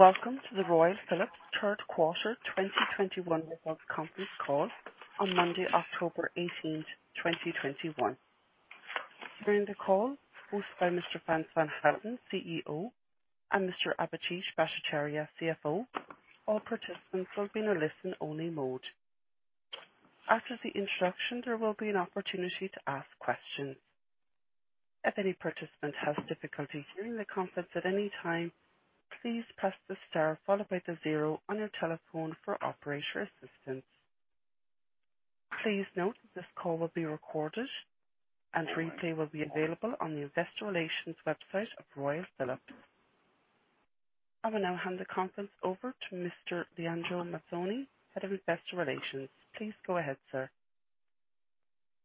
Welcome to the Royal Philips third quarter 2021 results conference call on Monday, October 18th, 2021. During the call, hosted by Mr. Frans van Houten, CEO, and Mr. Abhijit Bhattacharya, CFO, all participants will be in a listen-only mode. After the introduction, there will be an opportunity to ask questions. If any participant has difficulty hearing the conference at any time, please press the star followed by the zero on your telephone for operator assistance. Please note that this call will be recorded, and a replay will be available on the investor relations website of Royal Philips. I will now hand the conference over to Mr. Leandro Mazzoni, Head of Investor Relations. Please go ahead, sir.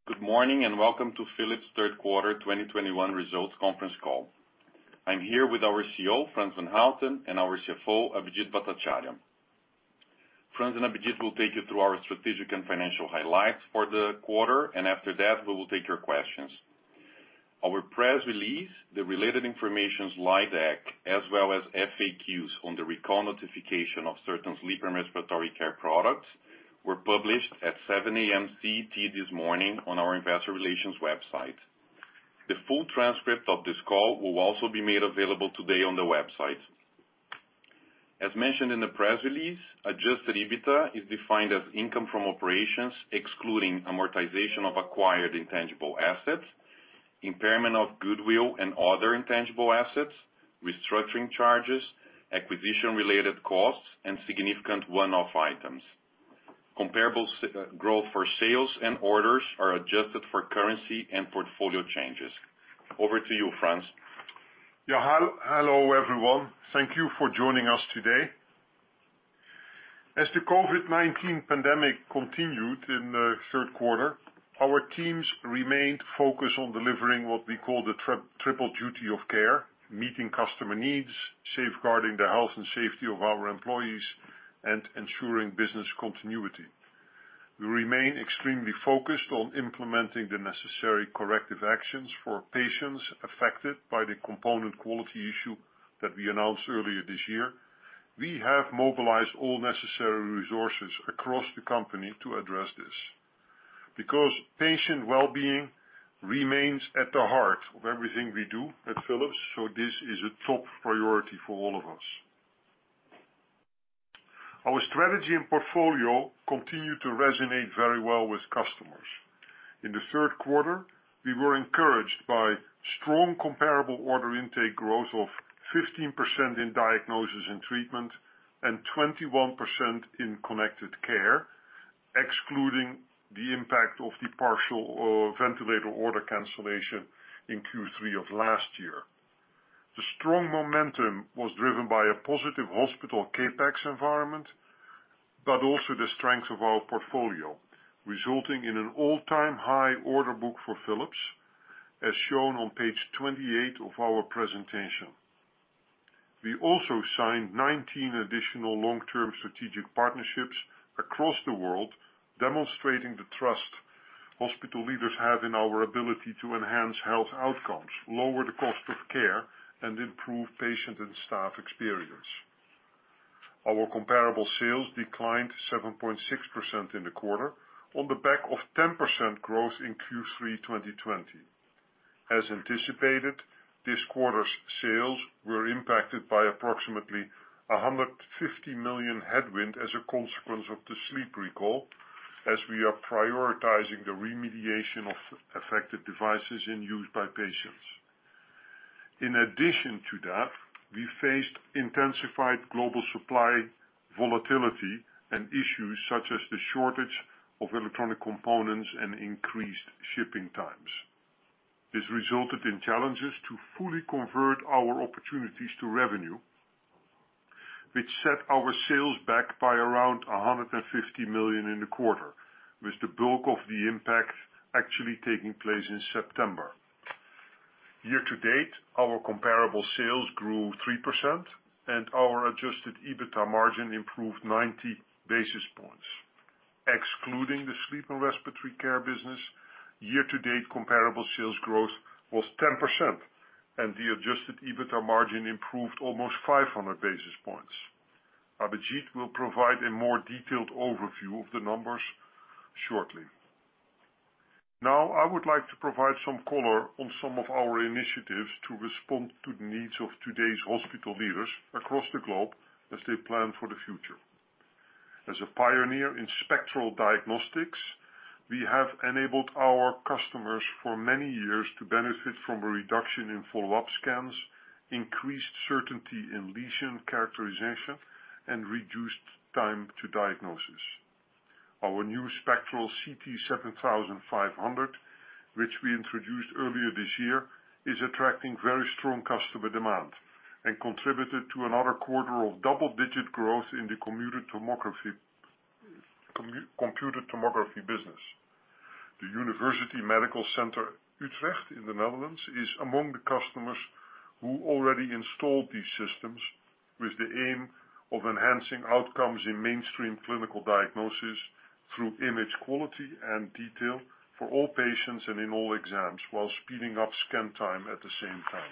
Good morning, and welcome to Philips' third quarter 2021 results conference call. I am here with our CEO, Frans van Houten, and our CFO, Abhijit Bhattacharya. Frans and Abhijit will take you through our strategic and financial highlights for the quarter, and after that, we will take your questions. Our press release, the related information slide deck, as well as FAQs on the recall notification of certain sleep and respiratory care products, were published at 7:00 A.M. CET this morning on our investor relations website. The full transcript of this call will also be made available today on the website. As mentioned in the press release, adjusted EBITDA is defined as income from operations, excluding amortization of acquired intangible assets, impairment of goodwill and other intangible assets, restructuring charges, acquisition-related costs, and significant one-off items. Comparable growth for sales and orders are adjusted for currency and portfolio changes. Over to you, Frans. Hello, everyone. Thank you for joining us today. As the COVID-19 pandemic continued in the third quarter, our teams remained focused on delivering what we call the triple duty of care: meeting customer needs, safeguarding the health and safety of our employees, and ensuring business continuity. We remain extremely focused on implementing the necessary corrective actions for patients affected by the component quality issue that we announced earlier this year. We have mobilized all necessary resources across the company to address this. Patient well-being remains at the heart of everything we do at Philips, so this is a top priority for all of us. Our strategy and portfolio continue to resonate very well with customers. In the third quarter, we were encouraged by strong comparable order intake growth of 15% in Diagnosis & Treatment and 21% in Connected Care, excluding the impact of the partial ventilator order cancellation in Q3 of last year. The strong momentum was driven by a positive hospital CapEx environment, but also the strength of our portfolio, resulting in an all-time high order book for Philips, as shown on page 28 of our presentation. We also signed 19 additional long-term strategic partnerships across the world, demonstrating the trust hospital leaders have in our ability to enhance health outcomes, lower the cost of care, and improve patient and staff experience. Our comparable sales declined 7.6% in the quarter on the back of 10% growth in Q3 2020. As anticipated, this quarter's sales were impacted by approximately 150 million headwind as a consequence of the sleep recall, as we are prioritizing the remediation of affected devices in use by patients. In addition to that, we faced intensified global supply volatility and issues such as the shortage of electronic components and increased shipping times. This resulted in challenges to fully convert our opportunities to revenue, which set our sales back by around 150 million in the quarter, with the bulk of the impact actually taking place in September. Year to date, our comparable sales grew 3% and our adjusted EBITDA margin improved 90 basis points. Excluding the sleep and respiratory care business, year to date comparable sales growth was 10% and the adjusted EBITDA margin improved almost 500 basis points. Abhijit will provide a more detailed overview of the numbers shortly. Now, I would like to provide some color on some of our initiatives to respond to the needs of today's hospital leaders across the globe as they plan for the future. As a pioneer in spectral diagnostics, we have enabled our customers for many years to benefit from a reduction in follow-up scans, increased certainty in lesion characterization, and reduced time to diagnosis. Our new Spectral CT 7500, which we introduced earlier this year, is attracting very strong customer demand and contributed to another quarter of double-digit growth in the computed tomography business. The University Medical Center Utrecht in the Netherlands is among the customers who already installed these systems with the aim of enhancing outcomes in mainstream clinical diagnosis through image quality and detail for all patients and in all exams, while speeding up scan time at the same time.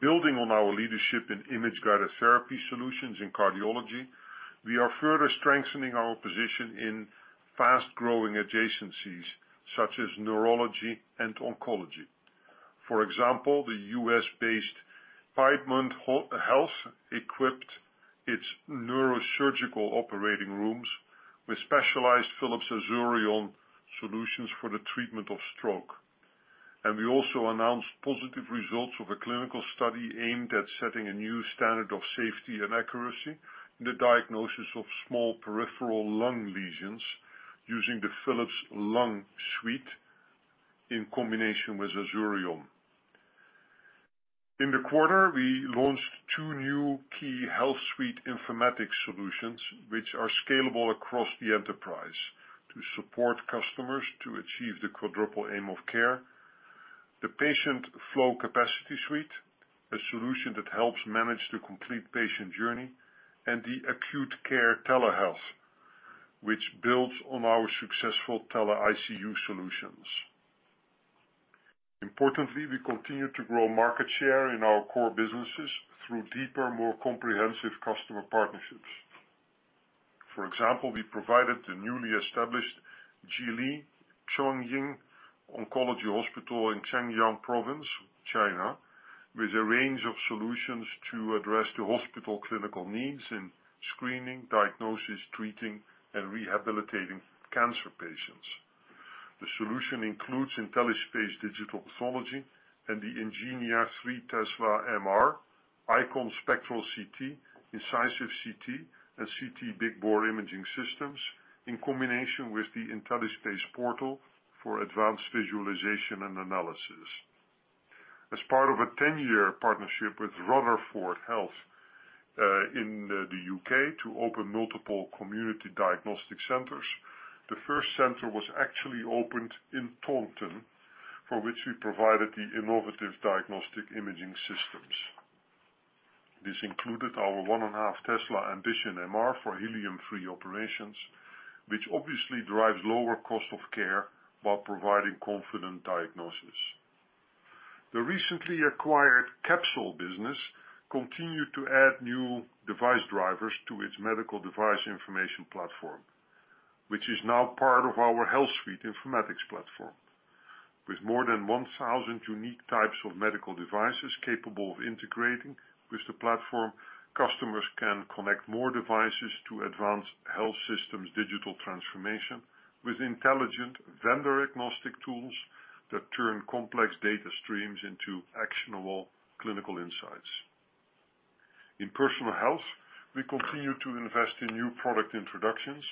Building on our leadership in image-guided therapy solutions in cardiology, we are further strengthening our position in fast-growing adjacencies such as neurology and oncology. For example, the U.S.-based Piedmont Health equipped its neurosurgical operating rooms with specialized Philips Azurion solutions for the treatment of stroke. We also announced positive results of a clinical study aimed at setting a new standard of safety and accuracy in the diagnosis of small peripheral lung lesions using the Philips Lung Suite in combination with Azurion. In the quarter, we launched two new key HealthSuite informatics solutions, which are scalable across the enterprise to support customers to achieve the quadruple aim of care. The Patient Flow Capacity Suite, a solution that helps manage the complete patient journey, and the Acute Care Telehealth, which builds on our successful TeleICU solutions. Importantly, we continue to grow market share in our core businesses through deeper, more comprehensive customer partnerships. For example, we provided the newly established Yili Chuanxin Oncology Hospital in Xinjiang Province, China, with a range of solutions to address the hospital clinical needs in screening, diagnosis, treating, and rehabilitating cancer patients. The solution includes IntelliSite Pathology Solution and the Ingenia 3 Tesla MR, IQon Spectral CT, Incisive CT, and Brilliance CT Big Bore imaging systems, in combination with the IntelliSpace Portal for advanced visualization and analysis. As part of a 10-year partnership with Rutherford Health in the U.K. to open multiple community diagnostic centers, the first center was actually opened in Taunton, for which we provided the innovative diagnostic imaging systems. This included our Ingenia Ambition 1.5T for helium-free operations, which obviously drives lower cost of care while providing confident diagnosis. The recently acquired Capsule business continued to add new device drivers to its medical device information platform, which is now part of our HealthSuite informatics platform. With more than 1,000 unique types of medical devices capable of integrating with the platform, customers can connect more devices to advance health systems' digital transformation with intelligent vendor-agnostic tools that turn complex data streams into actionable clinical insights. In Personal Health, we continue to invest in new product introductions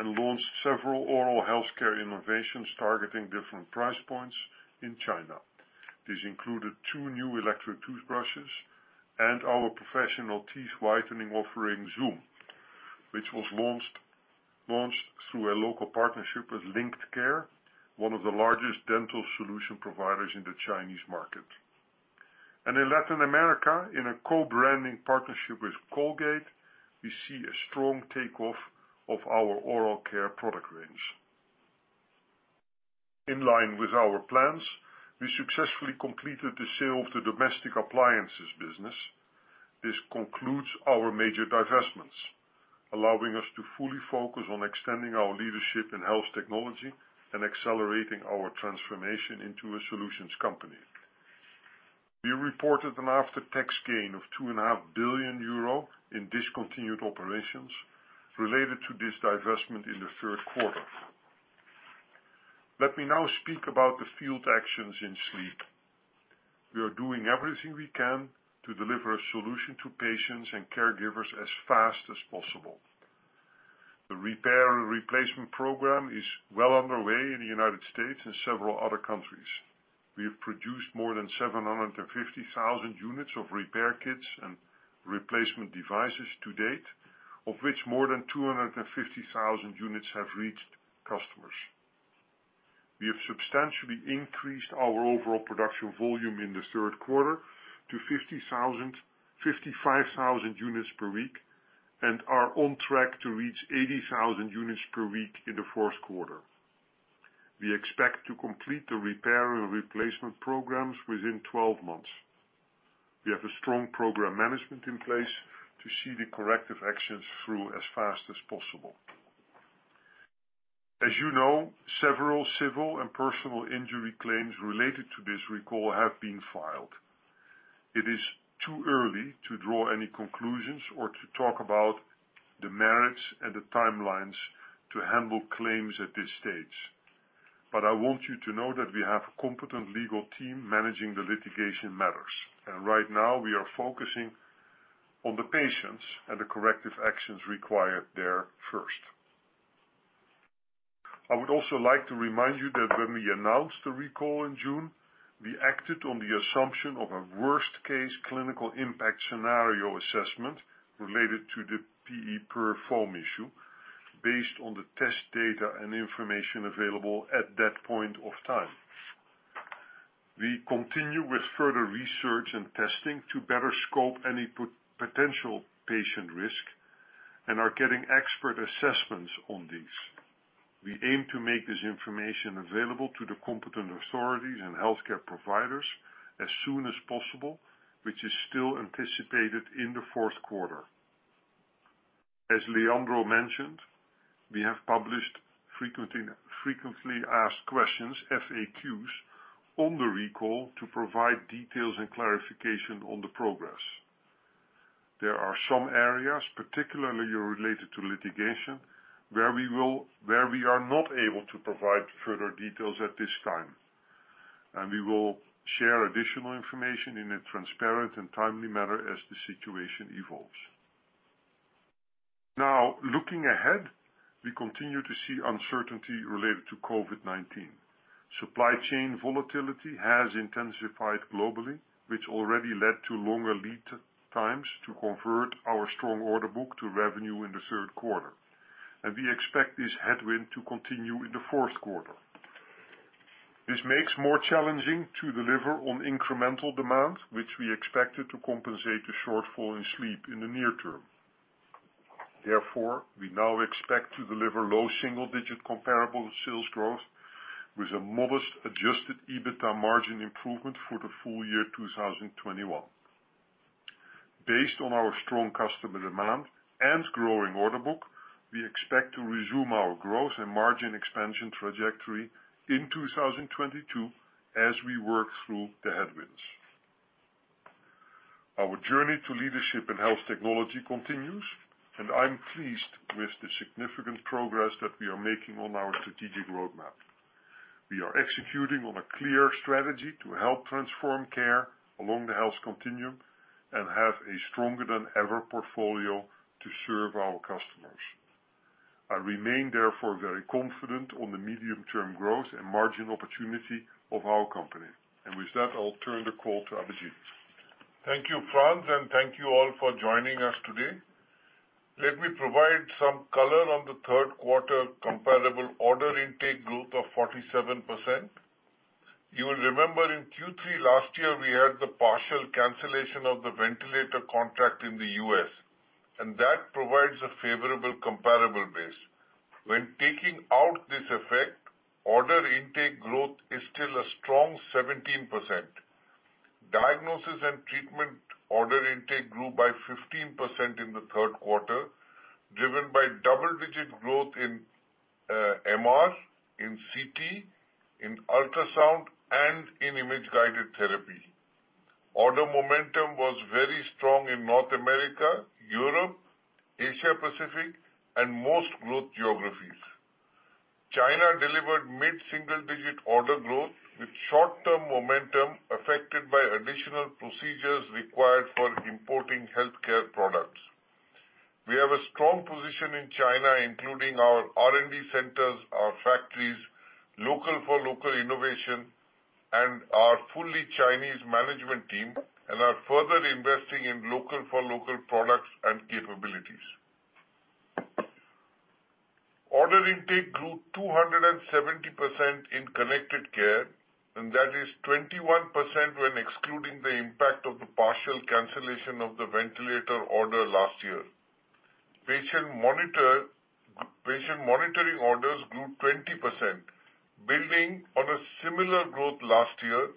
and launched several oral healthcare innovations targeting different price points in China. This included two new electric toothbrushes and our professional teeth whitening offering, Zoom, which was launched through a local partnership with LinkedCare, one of the largest dental solution providers in the Chinese market. In Latin America, in a co-branding partnership with Colgate, we see a strong takeoff of our oral care product range. In line with our plans, we successfully completed the sale of the Domestic Appliances business. This concludes our major divestments, allowing us to fully focus on extending our leadership in health technology and accelerating our transformation into a solutions company. We reported an after-tax gain of 2.5 billion euro in discontinued operations related to this divestment in the third quarter. Let me now speak about the field actions in sleep. We are doing everything we can to deliver a solution to patients and caregivers as fast as possible. The repair and replacement program is well underway in the U.S. and several other countries. We have produced more than 750,000 units of repair kits and replacement devices to date, of which more than 250,000 units have reached customers. We have substantially increased our overall production volume in the third quarter to 55,000 units per week and are on track to reach 80,000 units per week in the fourth quarter. We expect to complete the repair and replacement programs within 12 months. We have a strong program management in place to see the corrective actions through as fast as possible. As you know, several civil and personal injury claims related to this recall have been filed. It is too early to draw any conclusions or to talk about the merits and the timelines to handle claims at this stage. I want you to know that we have a competent legal team managing the litigation matters, and right now we are focusing on the patients and the corrective actions required there first. I would also like to remind you that when we announced the recall in June, we acted on the assumption of a worst-case clinical impact scenario assessment related to the PE-PUR foam issue based on the test data and information available at that point of time. We continue with further research and testing to better scope any potential patient risk and are getting expert assessments on these. We aim to make this information available to the competent authorities and healthcare providers as soon as possible, which is still anticipated in the fourth quarter. As Leandro mentioned, we have published frequently asked questions, FAQs, on the recall to provide details and clarification on the progress. There are some areas, particularly related to litigation, where we are not able to provide further details at this time, and we will share additional information in a transparent and timely manner as the situation evolves. Looking ahead, we continue to see uncertainty related to COVID-19. Supply chain volatility has intensified globally, which already led to longer lead times to convert our strong order book to revenue in the third quarter. We expect this headwind to continue in the fourth quarter. This makes more challenging to deliver on incremental demand, which we expected to compensate the shortfall in sleep in the near term. We now expect to deliver low single-digit comparable sales growth with a modest adjusted EBITA margin improvement for the full year 2021. Based on our strong customer demand and growing order book, we expect to resume our growth and margin expansion trajectory in 2022 as we work through the headwinds. Our journey to leadership in health technology continues. I'm pleased with the significant progress that we are making on our strategic roadmap. We are executing on a clear strategy to help transform care along the health continuum and have a stronger than ever portfolio to serve our customers. I remain therefore very confident on the medium-term growth and margin opportunity of our company. With that, I'll turn the call to Abhijit. Thank you, Frans, and thank you all for joining us today. Let me provide some color on the third quarter comparable order intake growth of 47%. You will remember in Q3 last year, we had the partial cancellation of the ventilator contract in the U.S. That provides a favorable comparable base. When taking out this effect, order intake growth is still a strong 17%. Diagnosis and Treatment order intake grew by 15% in the third quarter, driven by double-digit growth in MR, in CT, in ultrasound, and in image-guided therapy. Order momentum was very strong in North America, Europe, Asia Pacific and most growth geographies. China delivered mid-single-digit order growth with short-term momentum affected by additional procedures required for importing healthcare products. We have a strong position in China, including our R&D centers, our factories, local for local innovation, and our fully Chinese management team, and are further investing in local for local products and capabilities. Order intake grew 270% in Connected Care, that is 21% when excluding the impact of the partial cancellation of the ventilator order last year. Patient monitoring orders grew 20%, building on a similar growth last year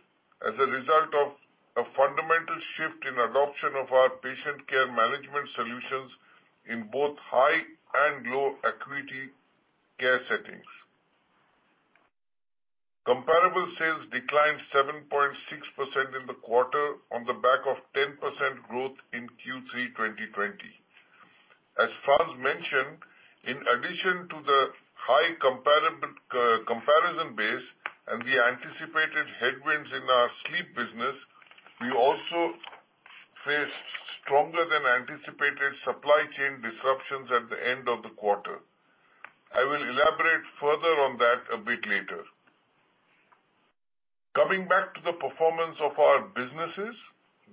as a result of a fundamental shift in adoption of our patient care management solutions in both high and low acuity care settings. Comparable sales declined 7.6% in the quarter on the back of 10% growth in Q3 2020. As Frans mentioned, in addition to the high comparison base and the anticipated headwinds in our sleep business, we also faced stronger than anticipated supply chain disruptions at the end of the quarter. I will elaborate further on that a bit later. Coming back to the performance of our businesses,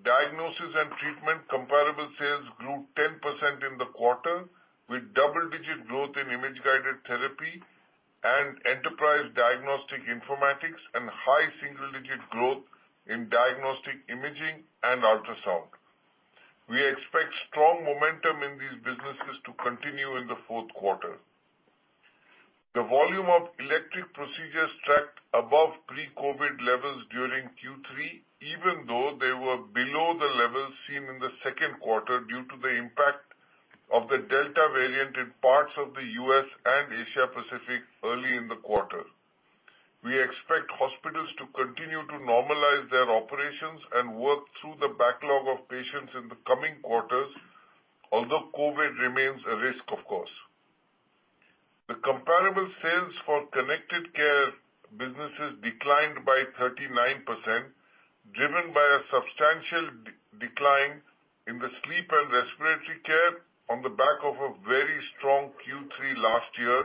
Diagnosis & Treatment comparable sales grew 10% in the quarter, with double-digit growth in image-guided therapy and enterprise diagnostic informatics and high single-digit growth in diagnostic imaging and ultrasound. We expect strong momentum in these businesses to continue in the fourth quarter. The volume of elective procedures tracked above pre-COVID-19 levels during Q3, even though they were below the levels seen in the second quarter due to the impact of the Delta variant in parts of the U.S. and Asia Pacific early in the quarter. We expect hospitals to continue to normalize their operations and work through the backlog of patients in the coming quarters, although COVID-19 remains a risk, of course. The comparable sales for Connected Care businesses declined by 39%, driven by a substantial decline in the sleep and respiratory care on the back of a very strong Q3 last year,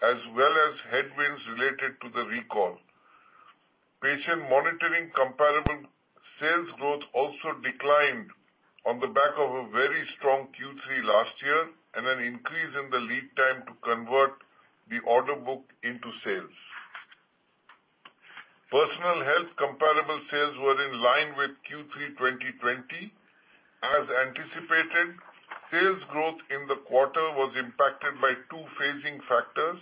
as well as headwinds related to the recall. Patient monitoring comparable sales growth also declined on the back of a very strong Q3 last year and an increase in the lead time to convert the order book into sales. Personal Health comparable sales were in line with Q3 2020. As anticipated, sales growth in the quarter was impacted by two phasing factors,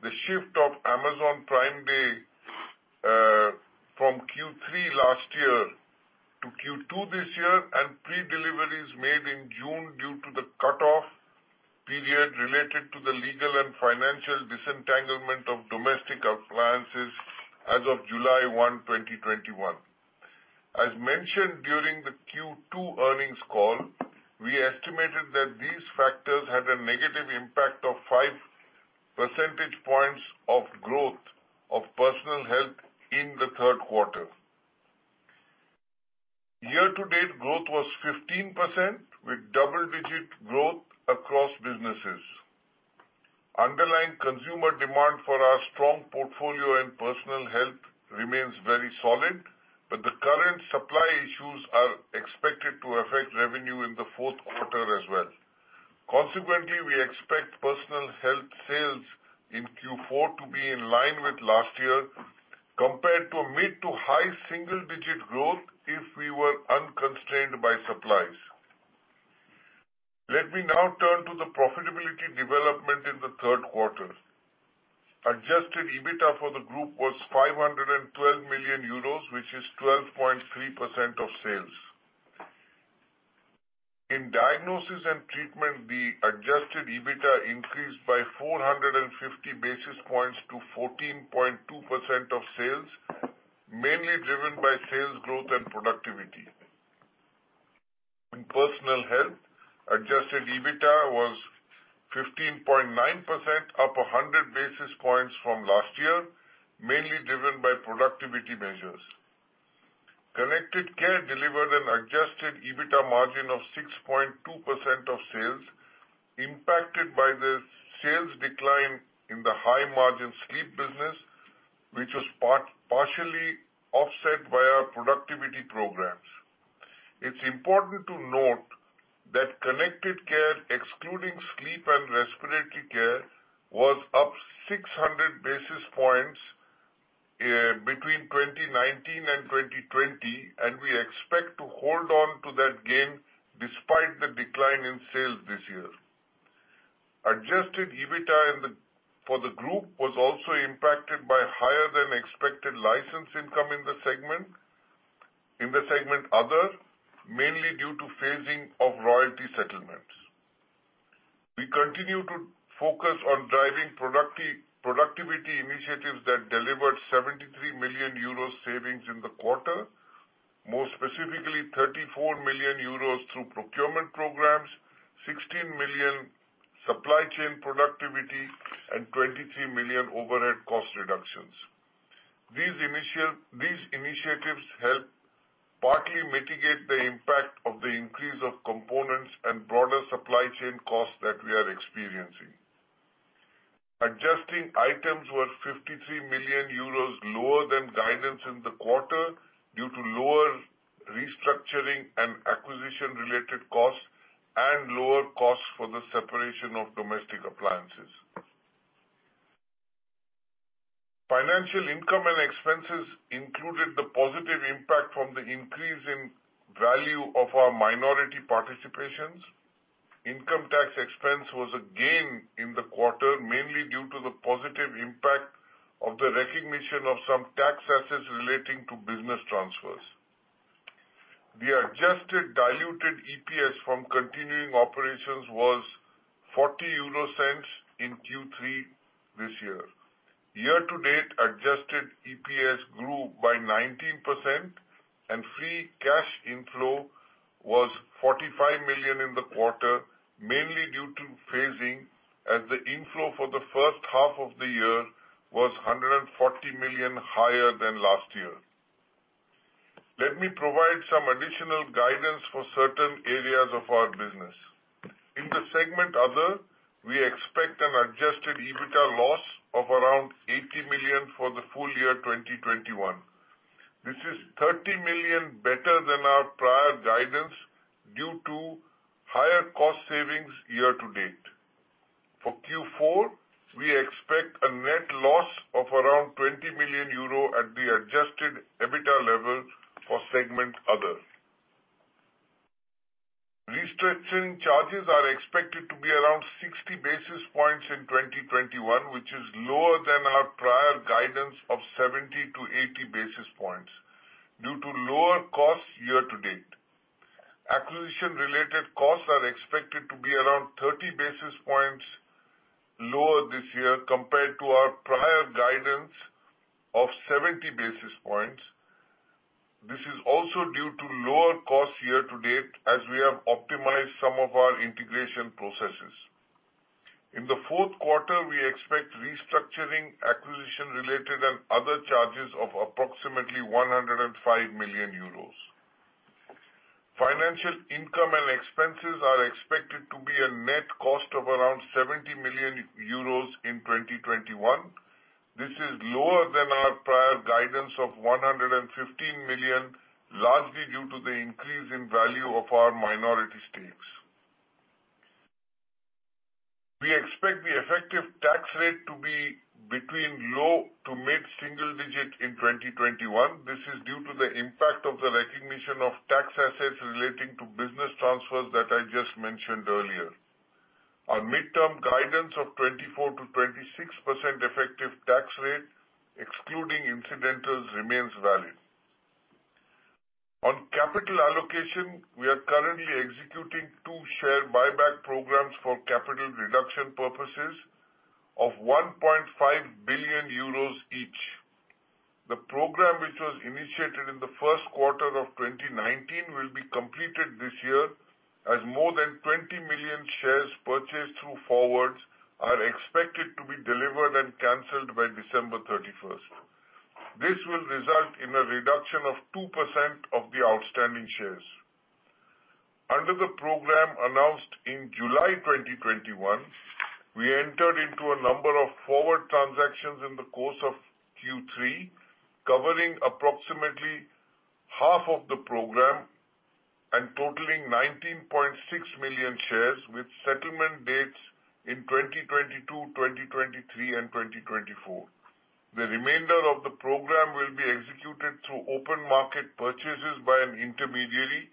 the shift of Amazon Prime Day from Q3 last year to Q2 this year, and pre-deliveries made in June due to the cutoff period related to the legal and financial disentanglement of Domestic Appliances as of July 1, 2021. As mentioned during the Q2 earnings call, we estimated that these factors had a negative impact of 5 percentage points of growth of Personal Health in the third quarter. Year-to-date growth was 15%, with double-digit growth across businesses. Underlying consumer demand for our strong portfolio in Personal Health remains very solid, the current supply issues are expected to affect revenue in the fourth quarter as well. Consequently, we expect Personal Health sales in Q4 to be in line with last year compared to a mid to high single-digit growth if we were unconstrained by supplies. Let me now turn to the profitability development in the third quarter. Adjusted EBITDA for the group was 512 million euros, which is 12.3% of sales. In Diagnosis & Treatment, the adjusted EBITDA increased by 450 basis points to 14.2% of sales, mainly driven by sales growth and productivity. In Personal Health, adjusted EBITDA was 15.9%, up 100 basis points from last year, mainly driven by productivity measures. Connected Care delivered an adjusted EBITDA margin of 6.2% of sales impacted by the sales decline in the high-margin sleep business, which was partially offset by our productivity programs. It's important to note that Connected Care, excluding sleep and respiratory care, was up 600 basis points between 2019 and 2020, and we expect to hold on to that gain despite the decline in sales this year. Adjusted EBITDA for the group was also impacted by higher-than-expected license income in the segment Other, mainly due to phasing of royalty settlements. We continue to focus on driving productivity initiatives that delivered 73 million euros savings in the quarter. More specifically, 34 million euros through procurement programs, 16 million supply chain productivity, and 23 million overhead cost reductions. These initiatives help partly mitigate the impact of the increase of components and broader supply chain costs that we are experiencing. Adjusting items were 53 million euros lower than guidance in the quarter due to lower restructuring and acquisition-related costs and lower costs for the separation of Domestic Appliances. Financial income and expenses included the positive impact from the increase in value of our minority participations. Income tax expense was a gain in the quarter, mainly due to the positive impact of the recognition of some tax assets relating to business transfers. The adjusted diluted EPS from continuing operations was 0.40 in Q3 this year. Year-to-date adjusted EPS grew by 19%, and free cash inflow was 45 million in the quarter, mainly due to phasing as the inflow for the first half of the year was 140 million higher than last year. Let me provide some additional guidance for certain areas of our business. In the segment Other, we expect an adjusted EBITDA loss of around 80 million for the full year 2021. This is 30 million better than our prior guidance due to higher cost savings year to date. For Q4, we expect a net loss of around 20 million euro at the adjusted EBITDA level for segment Other. Restructuring charges are expected to be around 60 basis points in 2021, which is lower than our prior guidance of 70 to 80 basis points due to lower costs year to date. Acquisition-related costs are expected to be around 30 basis points lower this year compared to our prior guidance of 70 basis points. This is also due to lower costs year to date as we have optimized some of our integration processes. In the fourth quarter, we expect restructuring, acquisition-related, and other charges of approximately 105 million euros. Financial income and expenses are expected to be a net cost of around 70 million euros in 2021. This is lower than our prior guidance of 115 million, largely due to the increase in value of our minority stakes. We expect the effective tax rate to be between low to mid single-digit in 2021. This is due to the impact of the recognition of tax assets relating to business transfers that I just mentioned earlier. Our midterm guidance of 24%-26% effective tax rate, excluding incidentals, remains valid. On capital allocation, we are currently executing two share buyback programs for capital reduction purposes of 1.5 billion euros each. The program which was initiated in the first quarter of 2019 will be completed this year as more than 20 million shares purchased through forwards are expected to be delivered and canceled by December 31st. This will result in a reduction of 2% of the outstanding shares. Under the program announced in July 2021, we entered into a number of forward transactions in the course of Q3, covering approximately half of the program and totaling 19.6 million shares, with settlement dates in 2022, 2023, and 2024. The remainder of the program will be executed through open market purchases by an intermediary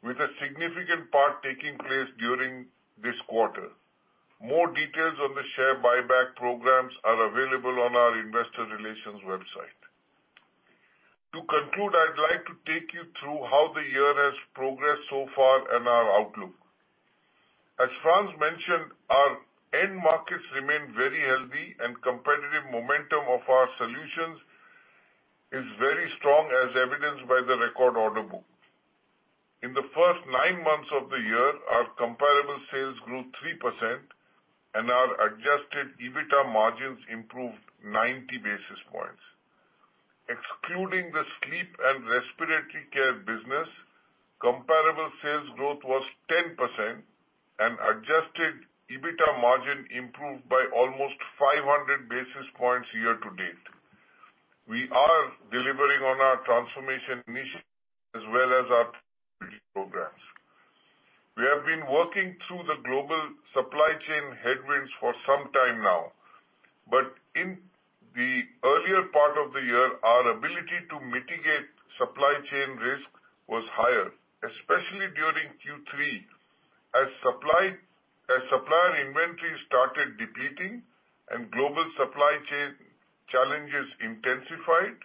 with a significant part taking place during this quarter. More details on the share buyback programs are available on our investor relations website. To conclude, I'd like to take you through how the year has progressed so far and our outlook. As Frans mentioned, our end markets remain very healthy, and competitive momentum of our solutions is very strong, as evidenced by the record order book. In the first nine months of the year, our comparable sales grew 3%, and our adjusted EBITA margins improved 90 basis points. Excluding the sleep and respiratory care business, comparable sales growth was 10% and adjusted EBITA margin improved by almost 500 basis points year to date. We are delivering on our transformation mission as well as our programs. We have been working through the global supply chain headwinds for some time now, but in the earlier part of the year, our ability to mitigate supply chain risk was higher. Especially during Q3, as supplier inventory started depleting and global supply chain challenges intensified,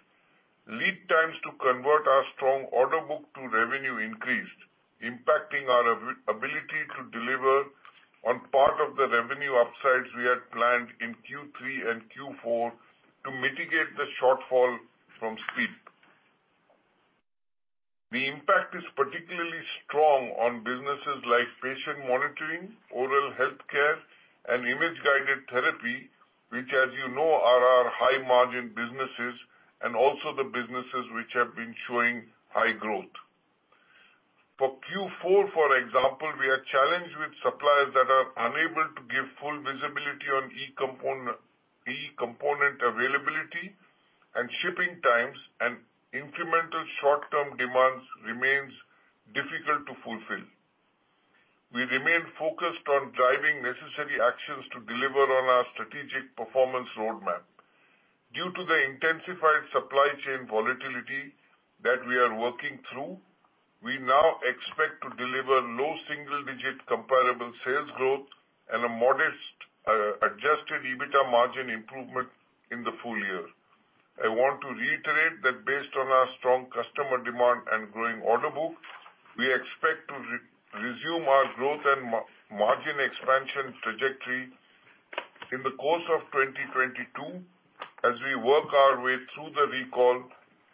lead times to convert our strong order book to revenue increased, impacting our ability to deliver on part of the revenue upsides we had planned in Q3 and Q4 to mitigate the shortfall from sleep. The impact is particularly strong on businesses like patient monitoring, oral health care, and image-guided therapy, which, as you know, are our high margin businesses and also the businesses which have been showing high growth. For Q4, for example, we are challenged with suppliers that are unable to give full visibility on e-component availability and shipping times, and incremental short-term demands remains difficult to fulfill. We remain focused on driving necessary actions to deliver on our strategic performance roadmap. Due to the intensified supply chain volatility that we are working through, we now expect to deliver low single-digit comparable sales growth and a modest adjusted EBITA margin improvement in the full year. I want to reiterate that based on our strong customer demand and growing order book, we expect to resume our growth and margin expansion trajectory in the course of 2022 as we work our way through the recall,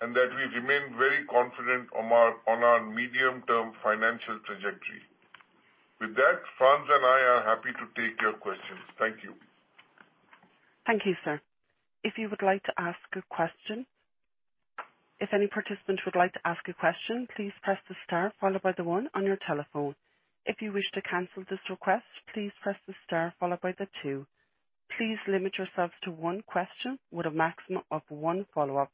and that we remain very confident on our medium-term financial trajectory. With that, Frans and I are happy to take your questions. Thank you. Thank you, sir. If you would like to ask a question. If any participant would like to ask a question, please press the star followed by the one on your telephone. If you wish to cancel this request, please press the star followed by the two. Please limit yourselves to one question with a maximum of one follow-up.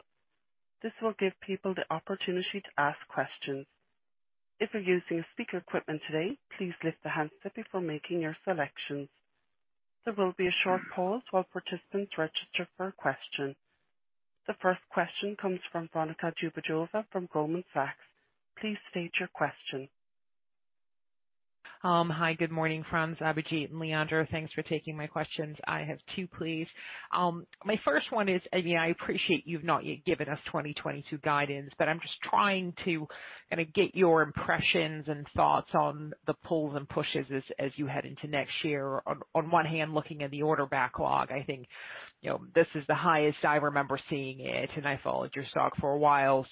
This will give people the opportunity to ask questions. If you are using speaker equipment today, please lift the hand before making your selections. There will be a short pause while participants register for a question. The first question comes from Veronika Dubajova from Goldman Sachs. Please state your question. Hi. Good morning, Frans, Abhijit, and Leandro. Thanks for taking my questions. I have two, please. My first one is, I appreciate you've not yet given us 2022 guidance, but I'm just trying to get your impressions and thoughts on the pulls and pushes as you head into next year. On one hand, looking at the order backlog, I think this is the highest I remember seeing it, and I followed your stock for a while.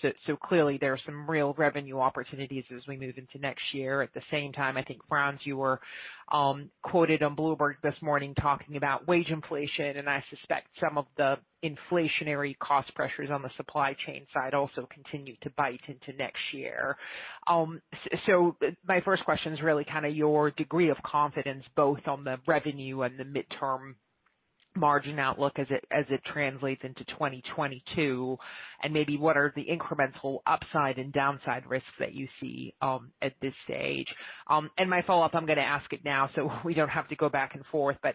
Clearly there are some real revenue opportunities as we move into next year. At the same time, I think Frans, you were quoted on Bloomberg this morning talking about wage inflation, and I suspect some of the inflationary cost pressures on the supply chain side also continue to bite into next year. My first question is really your degree of confidence, both on the revenue and the midterm margin outlook as it translates into 2022, and maybe what are the incremental upside and downside risks that you see at this stage? My follow-up, I'm going to ask it now, so we don't have to go back and forth, but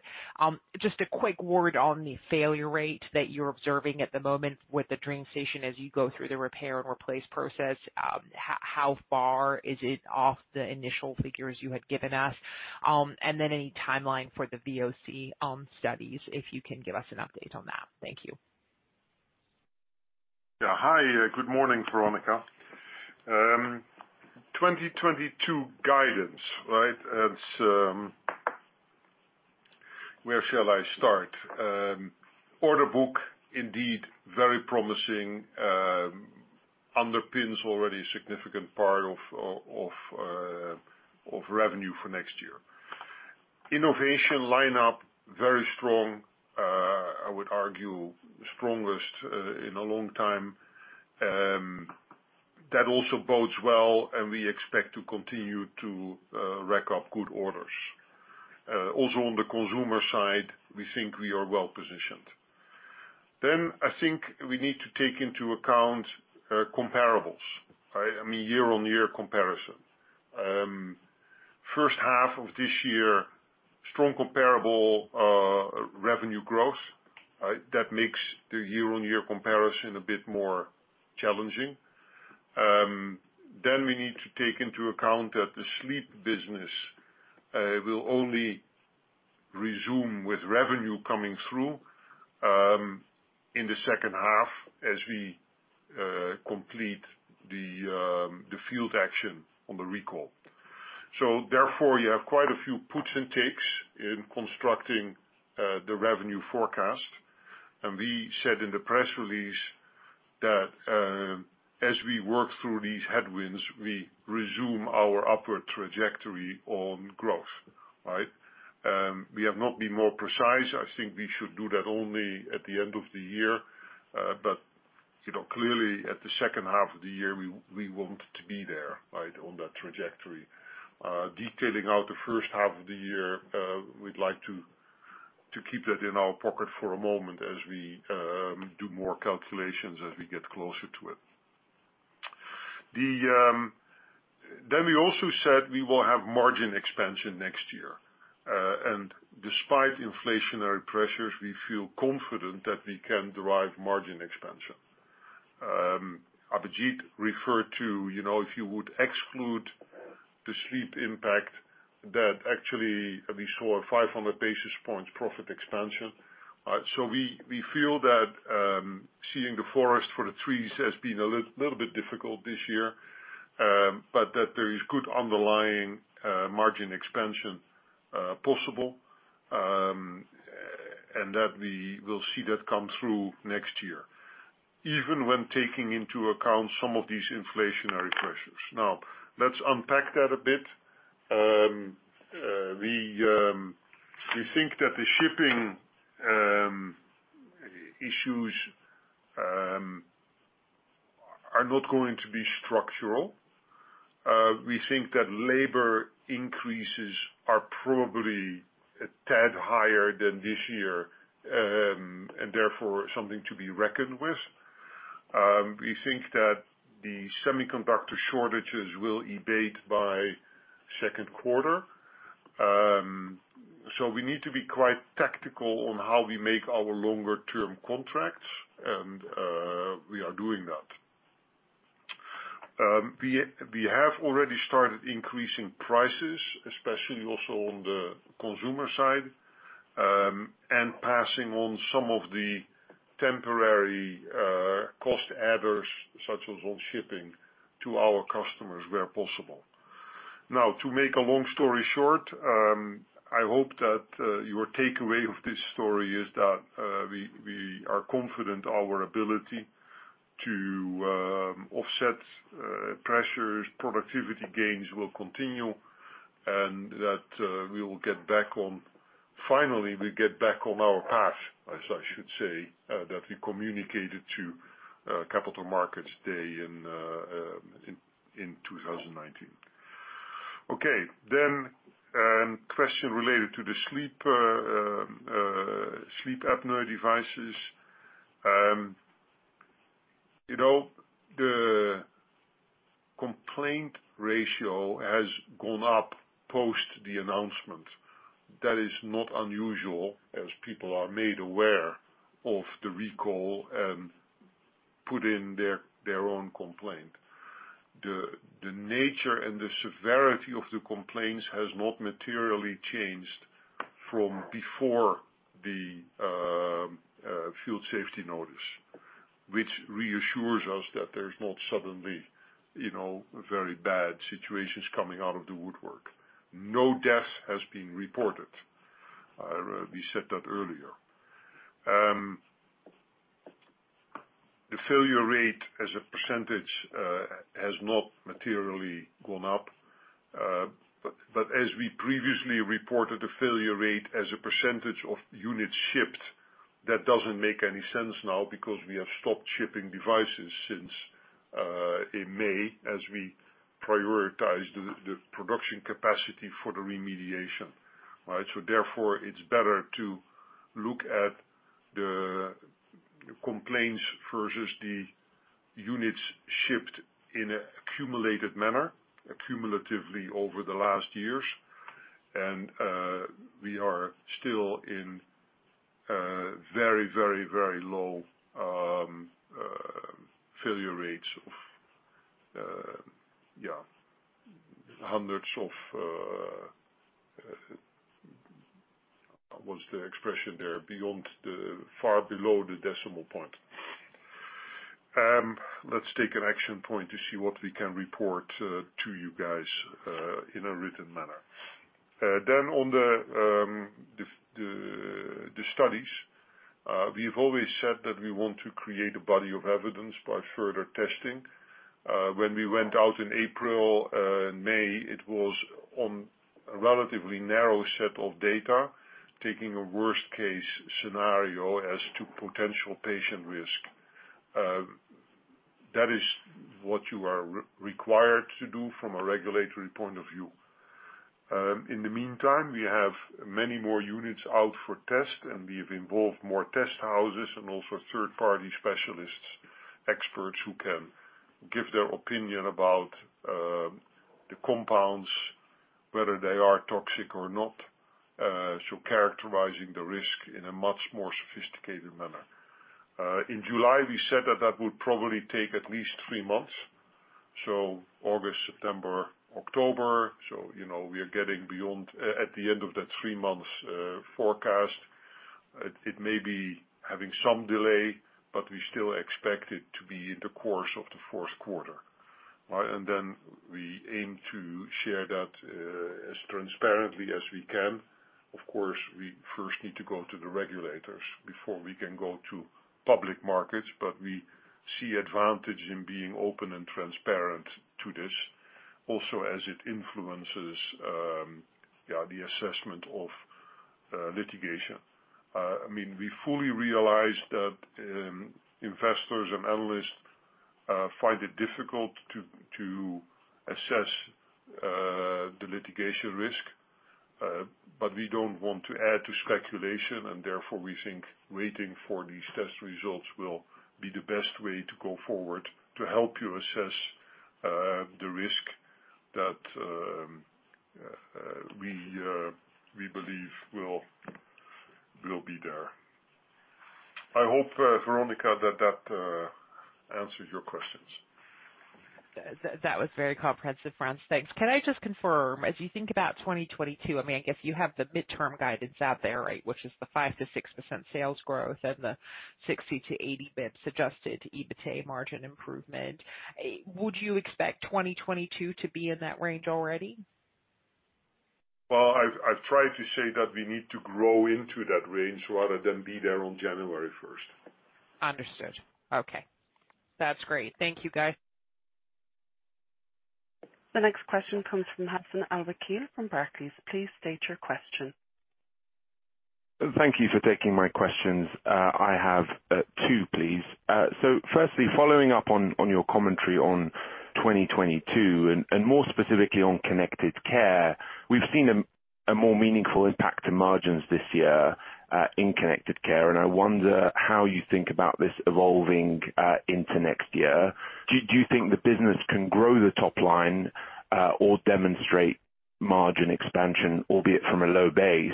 just a quick word on the failure rate that you're observing at the moment with the DreamStation as you go through the repair and replace process, how far is it off the initial figures you had given us? Any timeline for the VOC studies, if you can give us an update on that. Thank you. Yeah. Hi, good morning, Veronika. 2022 guidance, right? Where shall I start? Order book, indeed, very promising, underpins already a significant part of revenue for next year. Innovation lineup, very strong. I would argue strongest in a long time. That also bodes well, and we expect to continue to rack up good orders. Also on the consumer side, we think we are well-positioned. I think we need to take into account comparables, right? I mean, year-over-year comparison. First half of this year, strong comparable revenue growth. That makes the year-over-year comparison a bit more challenging. We need to take into account that the sleep business will only resume with revenue coming through, in the second half as we complete the field action on the recall. Therefore, you have quite a few puts and takes in constructing the revenue forecast. We said in the press release that as we work through these headwinds, we resume our upward trajectory on growth. Right? We have not been more precise. I think we should do that only at the end of the year. Clearly, at the second half of the year, we want to be there on that trajectory. Detailing out the first half of the year, we'd like to keep that in our pocket for a moment as we do more calculations as we get closer to it. We also said we will have margin expansion next year. Despite inflationary pressures, we feel confident that we can derive margin expansion. Abhijit referred to, if you would exclude the sleep impact that actually we saw a 500 basis points profit expansion. We feel that seeing the forest for the trees has been a little bit difficult this year, but that there is good underlying margin expansion possible, and that we will see that come through next year, even when taking into account some of these inflationary pressures. Let's unpack that a bit. We think that the shipping issues are not going to be structural. We think that labor increases are probably a tad higher than this year, and therefore something to be reckoned with. We think that the semiconductor shortages will abate by second quarter. We need to be quite tactical on how we make our longer-term contracts, and we are doing that. We have already started increasing prices, especially also on the consumer side, and passing on some of the temporary cost adders, such as on shipping to our customers where possible. To make a long story short, I hope that your takeaway of this story is that we are confident our ability to offset pressures, productivity gains will continue, and that finally, we get back on our path. We communicated to Capital Markets Day in 2019. Question related to the sleep apnea devices. The complaint ratio has gone up post the announcement. That is not unusual, as people are made aware of the recall and put in their own complaint. The nature and the severity of the complaints has not materially changed from before the field safety notice, which reassures us that there's not suddenly very bad situations coming out of the woodwork. No death has been reported. We said that earlier. The failure rate as a percentage has not materially gone up. As we previously reported, the failure rate as a percentage of units shipped, that doesn't make any sense now because we have stopped shipping devices since in May, as we prioritize the production capacity for the remediation. Therefore, it's better to look at the complaints versus the units shipped in an accumulative manner, cumulatively over the last years. We are still in very low failure rates of, what's the expression there? Far below the decimal point. Let's take an action point to see what we can report to you guys in a written manner. On the studies, we've always said that we want to create a body of evidence by further testing. When we went out in April and May, it was on a relatively narrow set of data, taking a worst-case scenario as to potential patient risk. That is what you are required to do from a regulatory point of view. In the meantime, we have many more units out for test, and we've involved more test houses and also third-party specialists, experts who can give their opinion about the compounds, whether they are toxic or not. Characterizing the risk in a much more sophisticated manner. In July, we said that would probably take at least three months. August, September, October. We are getting at the end of that three-month forecast. It may be having some delay, but we still expect it to be in the course of the fourth quarter. We aim to share that as transparently as we can. Of course, we first need to go to the regulators before we can go to public markets, but we see advantage in being open and transparent to this. Also as it influences the assessment of litigation. We fully realize that investors and analysts find it difficult to assess the litigation risk. We don't want to add to speculation, and therefore, we think waiting for these test results will be the best way to go forward to help you assess the risk that we believe will be there. I hope, Veronika, that answers your questions. That was very comprehensive, Frans. Thanks. Can I just confirm, as you think about 2022, I guess you have the midterm guidance out there, right? Which is the 5%-6% sales growth and the 60-80 basis points adjusted EBITA margin improvement. Would you expect 2022 to be in that range already? Well, I've tried to say that we need to grow into that range rather than be there on January 1st. Understood. Okay. That's great. Thank you, guys. The next question comes from Hassan Al-Wakeel from Barclays. Please state your question. Thank you for taking my questions. I have two, please. Firstly, following up on your commentary on 2022, and more specifically on Connected Care, we've seen a more meaningful impact to margins this year in Connected Care, and I wonder how you think about this evolving into next year. Do you think the business can grow the top line or demonstrate margin expansion, albeit from a low base,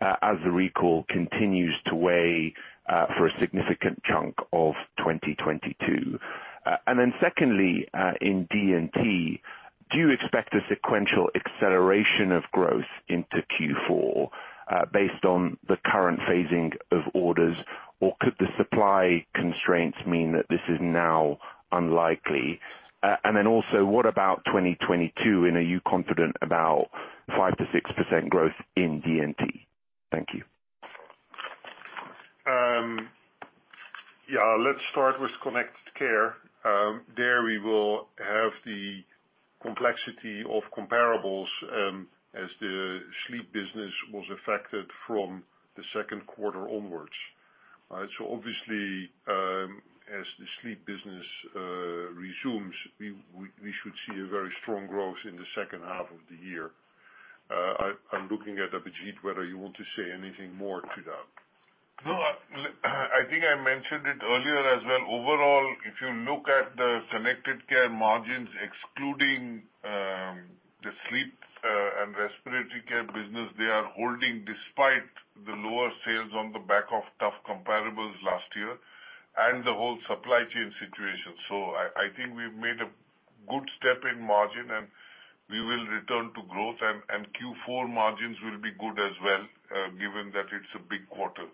as the recall continues to weigh for a significant chunk of 2022? Secondly, in D&T, do you expect a sequential acceleration of growth into Q4 based on the current phasing of orders, or could the supply constraints mean that this is now unlikely? Also, what about 2022, and are you confident about 5%-6% growth in D&T? Thank you. Let's start with Connected Care. There we will have the complexity of comparables as the sleep business was affected from the second quarter onwards. Obviously, as the sleep business resumes, we should see a very strong growth in the second half of the year. I'm looking at Abhijit, whether you want to say anything more to that. No, I think I mentioned it earlier as well. Overall, if you look at the Connected Care margins, excluding the Sleep and Respiratory Care business, they are holding despite the lower sales on the back of tough comparables last year and the whole supply chain situation. I think we've made a good step in margin, and we will return to growth, and Q4 margins will be good as well, given that it's a big quarter.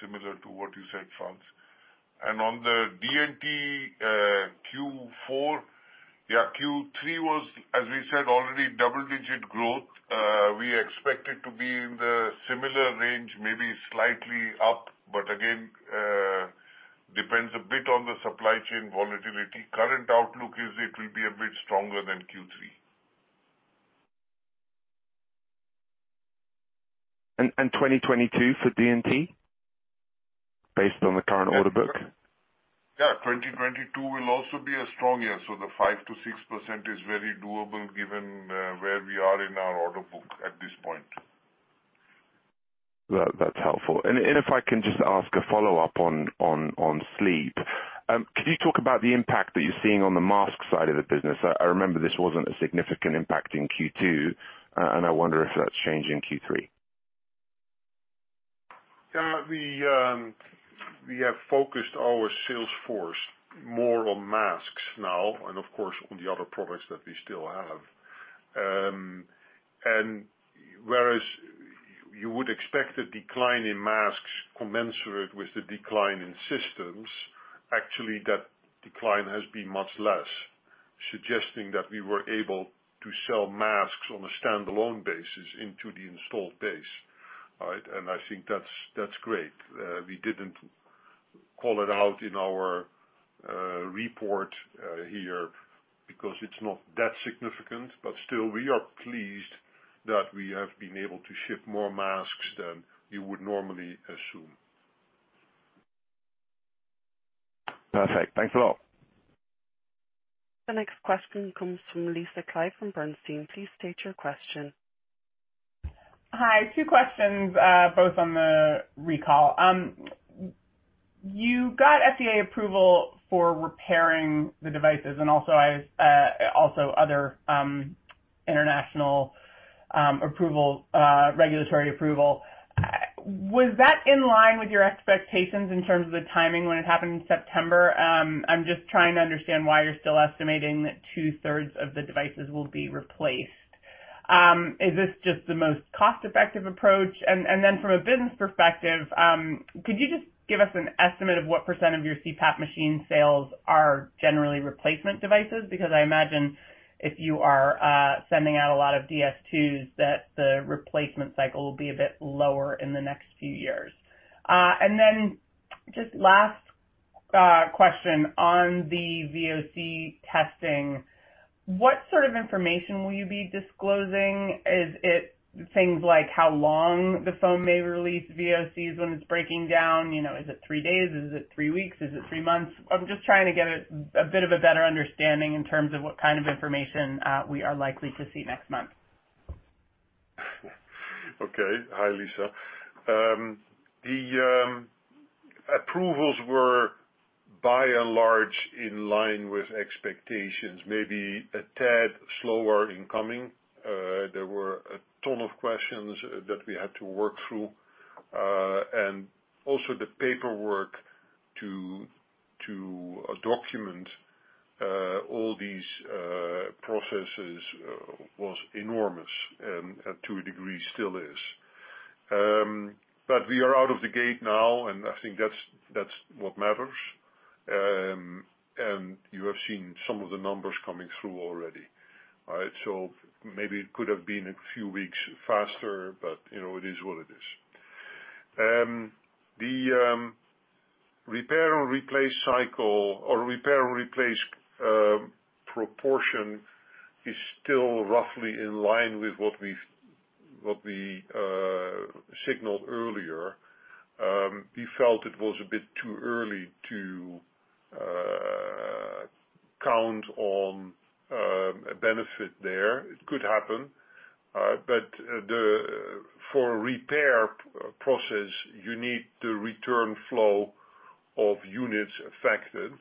Similar to what you said, Frans. On the D&T Q4, yeah, Q3 was, as we said already, double-digit growth. We expect it to be in the similar range, maybe slightly up, but again, depends a bit on the supply chain volatility. Current outlook is it will be a bit stronger than Q3. 2022 for D&T, based on the current order book? Yeah. 2022 will also be a strong year, so the 5%-6% is very doable given where we are in our order book at this point. That's helpful. If I can just ask a follow-up on sleep. Could you talk about the impact that you're seeing on the mask side of the business? I remember this wasn't a significant impact in Q2, and I wonder if that's changed in Q3. Yeah. We have focused our sales force more on masks now, and of course, on the other products that we still have. Whereas you would expect a decline in masks commensurate with the decline in systems, actually, that decline has been much less, suggesting that we were able to sell masks on a standalone basis into the installed base. Right. I think that's great. We didn't call it out in our report here because it's not that significant. Still, we are pleased that we have been able to ship more masks than you would normally assume. Perfect. Thanks a lot. The next question comes from Lisa Clive from Bernstein. Please state your question. Hi. Two questions, both on the recall. You got FDA approval for repairing the devices and also other international regulatory approval. Was that in line with your expectations in terms of the timing when it happened in September? I'm just trying to understand why you're still estimating that two-thirds of the devices will be replaced. Is this just the most cost-effective approach? From a business perspective, could you just give us an estimate of what percent of your CPAP machine sales are generally replacement devices? I imagine if you are sending out a lot of DS2s, that the replacement cycle will be a bit lower in the next few years. Just last question on the VOC testing. What sort of information will you be disclosing? Is it things like how long the foam may release VOCs when it's breaking down? Is it three days? Is it three weeks? Is it three months? I'm just trying to get a bit of a better understanding in terms of what kind of information we are likely to see next month. Okay. Hi, Lisa. The approvals were by and large in line with expectations, maybe a tad slower in coming. There were a ton of questions that we had to work through. Also the paperwork to document all these processes was enormous, and to a degree, still is. We are out of the gate now, and I think that's what matters. You have seen some of the numbers coming through already. All right. Maybe it could have been a few weeks faster, but it is what it is. The repair or replace cycle, or repair or replace proportion is still roughly in line with what we signaled earlier. We felt it was a bit too early to count on a benefit there. It could happen. For a repair process, you need the return flow of units affected.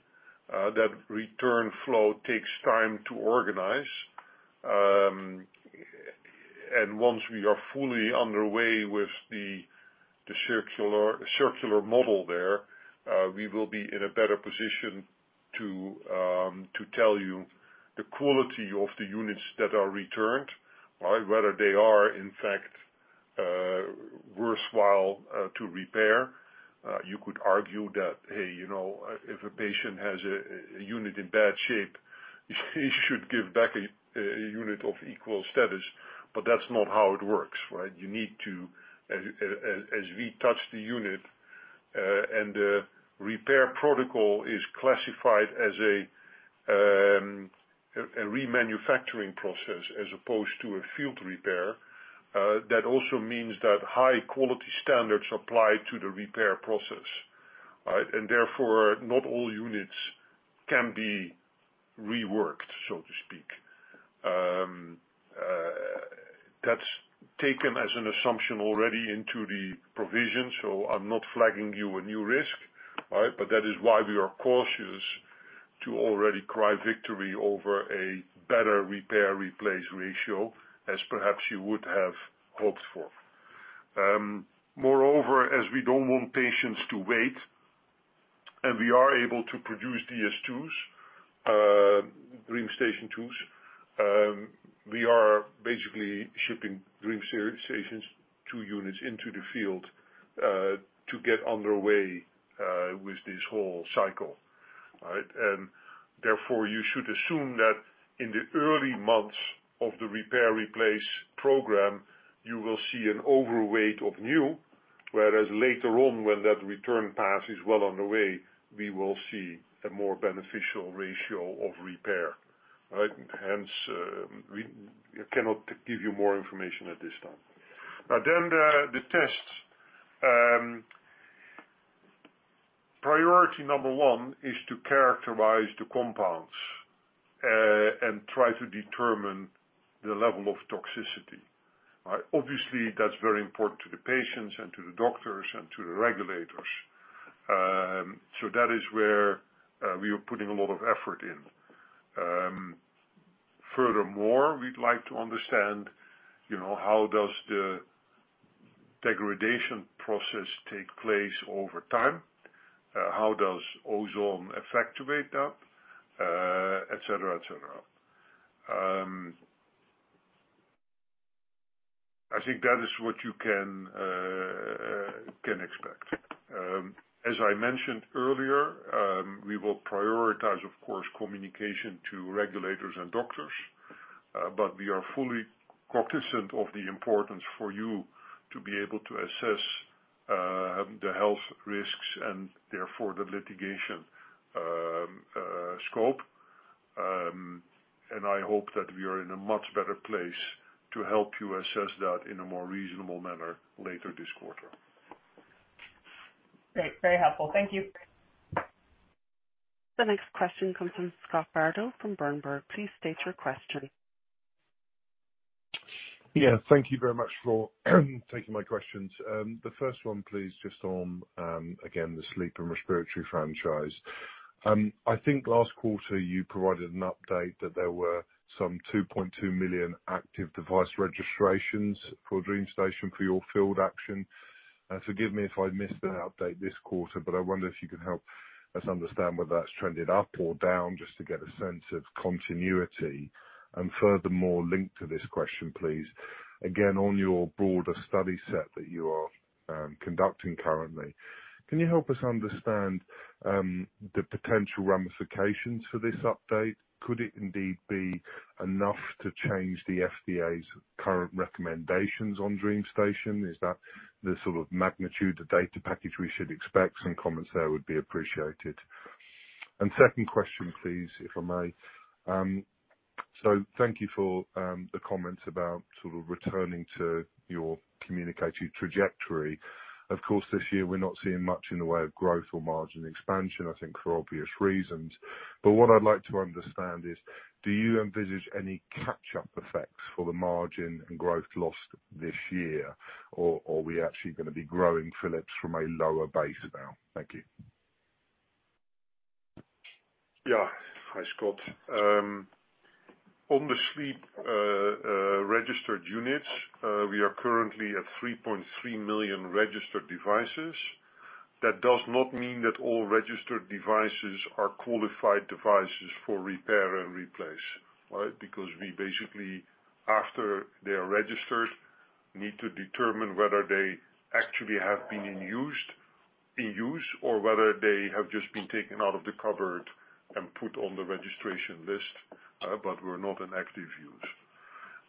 That return flow takes time to organize. Once we are fully underway with the circular model there, we will be in a better position to tell you the quality of the units that are returned. Right. Whether they are, in fact, worthwhile to repair. You could argue that, hey, if a patient has a unit in bad shape, you should give back a unit of equal status, but that's not how it works. Right? As we touch the unit and the repair protocol is classified as a remanufacturing process as opposed to a field repair, that also means that high-quality standards apply to the repair process. Therefore, not all units can be reworked, so to speak. That's taken as an assumption already into the provision, so I'm not flagging you a new risk. That is why we are cautious to already cry victory over a better repair-replace ratio as perhaps you would have hoped for. Moreover, as we don't want patients to wait, and we are able to produce DreamStation 2s, DreamStation 2s, we are basically shipping DreamStation 2 units into the field, to get underway with this whole cycle. Right? Therefore, you should assume that in the early months of the repair, replace program, you will see an overweight of new, whereas later on, when that return path is well on the way, we will see a more beneficial ratio of repair. Right? Hence, we cannot give you more information at this time. The tests. Priority number 1 is to characterize the compounds, and try to determine the level of toxicity. Obviously, that's very important to the patients and to the doctors and to the regulators. That is where we are putting a lot of effort in. Furthermore, we'd like to understand how does the degradation process take place over time? How does ozone affect that? Et cetera. I think that is what you can expect. As I mentioned earlier, we will prioritize, of course, communication to regulators and doctors. We are fully cognizant of the importance for you to be able to assess the health risks and therefore the litigation scope. I hope that we are in a much better place to help you assess that in a more reasonable manner later this quarter. Great. Very helpful. Thank you. The next question comes from Scott Bardo from Berenberg. Please state your question. Yeah, thank you very much for taking my questions. The first one, please, just on, again, the sleep and respiratory franchise. I think last quarter you provided an update that there were some 2.2 million active device registrations for DreamStation for your field action. Forgive me if I missed an update this quarter, but I wonder if you can help us understand whether that's trended up or down just to get a sense of continuity. Furthermore, linked to this question, please, again, on your broader study set that you are conducting currently, can you help us understand the potential ramifications for this update? Could it indeed be enough to change the FDA's current recommendations on DreamStation? Is that the sort of magnitude, the data package we should expect? Some comments there would be appreciated. Second question, please, if I may. Thank you for the comments about sort of returning to your communicated trajectory. Of course, this year we are not seeing much in the way of growth or margin expansion, I think for obvious reasons. What I would like to understand is, do you envisage any catch-up effects for the margin and growth lost this year? Are we actually going to be growing Philips from a lower base now? Thank you. Yeah. Hi, Scott. On the sleep registered units, we are currently at 3.3 million registered devices. That does not mean that all registered devices are qualified devices for repair and replace. Right? Because we basically, after they are registered, need to determine whether they actually have been in use or whether they have just been taken out of the cupboard and put on the registration list, but were not in active use.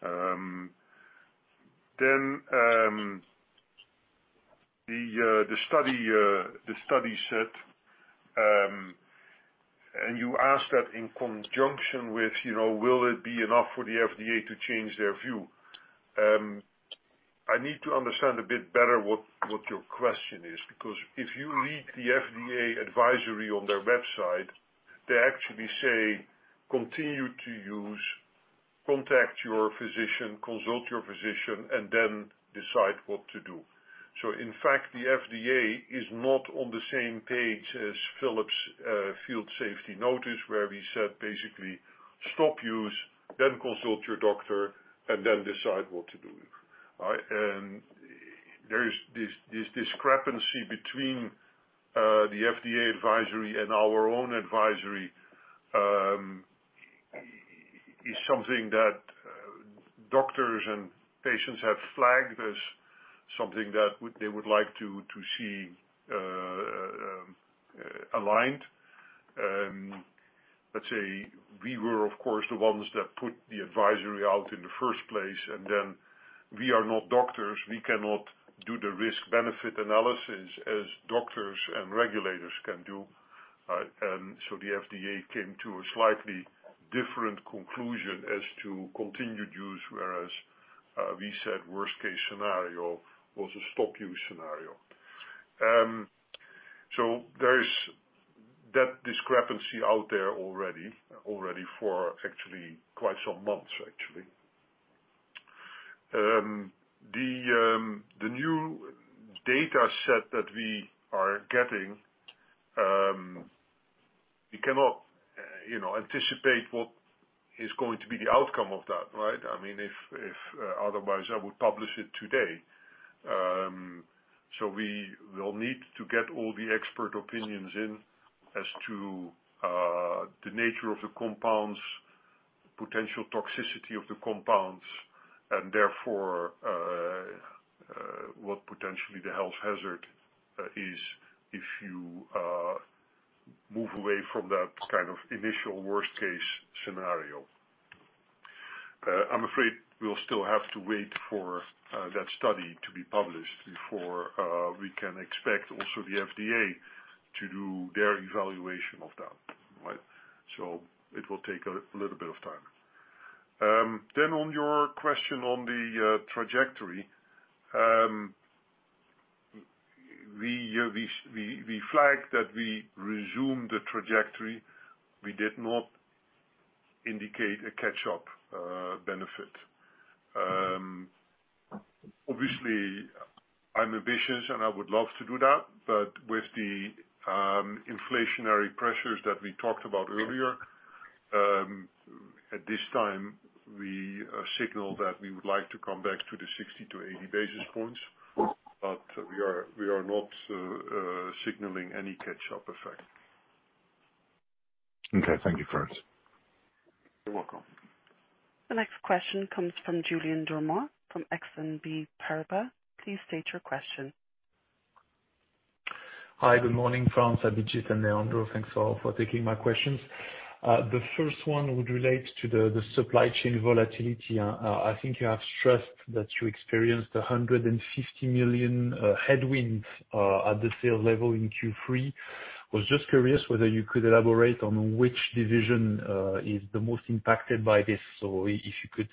The study set, and you asked that in conjunction with, will it be enough for the FDA to change their view? I need to understand a bit better what your question is. If you read the FDA advisory on their website, they actually say, "Continue to use, contact your physician, consult your physician, and then decide what to do." In fact, the FDA is not on the same page as Philips' field safety notice, where we said, basically, "Stop use, then consult your doctor, and then decide what to do." Right? There is this discrepancy between the FDA advisory and our own advisory, is something that doctors and patients have flagged as something that they would like to see aligned. Let's say we were, of course, the ones that put the advisory out in the first place, and then we are not doctors. We cannot do the risk-benefit analysis as doctors and regulators can do. Right? The FDA came to a slightly different conclusion as to continued use, whereas, we said worst case scenario was a stop use scenario. There is that discrepancy out there already for actually quite some months, actually. The new data set that we are getting. We cannot anticipate what is going to be the outcome of that. If otherwise, I would publish it today. We will need to get all the expert opinions in as to the nature of the compounds, potential toxicity of the compounds, and therefore, what potentially the health hazard is if you move away from that kind of initial worst-case scenario. I'm afraid we'll still have to wait for that study to be published before we can expect also the FDA to do their evaluation of that. It will take a little bit of time. On your question on the trajectory. We flagged that we resumed the trajectory. We did not indicate a catch-up benefit. I'm ambitious and I would love to do that, but with the inflationary pressures that we talked about earlier, at this time, we signal that we would like to come back to the 60 to 80 basis points. We are not signaling any catch-up effect. Okay. Thank you, Frans. You're welcome. The next question comes from Julien Dormois from Exane BNP Paribas. Please state your question. Hi. Good morning, Frans, Abhijit, and Leandro. Thanks all for taking my questions. The first one would relate to the supply chain volatility. I think you have stressed that you experienced 150 million headwinds at the sales level in Q3. I was just curious whether you could elaborate on which division is the most impacted by this, or if you could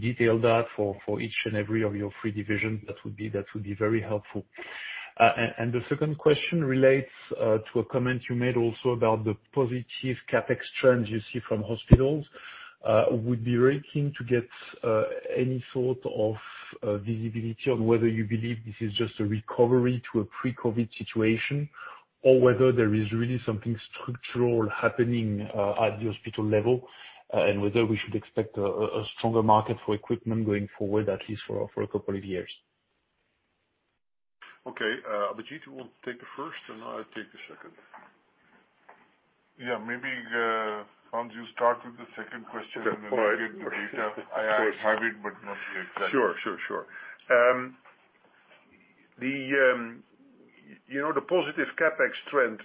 detail that for each and every of your three divisions, that would be very helpful. The second question relates to a comment you made also about the positive CapEx trends you see from hospitals. I would be very keen to get any sort of visibility on whether you believe this is just a recovery to a pre-COVID situation or whether there is really something structural happening at the hospital level. Whether we should expect a stronger market for equipment going forward, at least for a couple of years. Okay. Abhijit will take the first, and I'll take the second. Yeah. Maybe, Frans, you start with the second question and then I'll get the data. I have it, but not the exact. Sure. The positive CapEx trend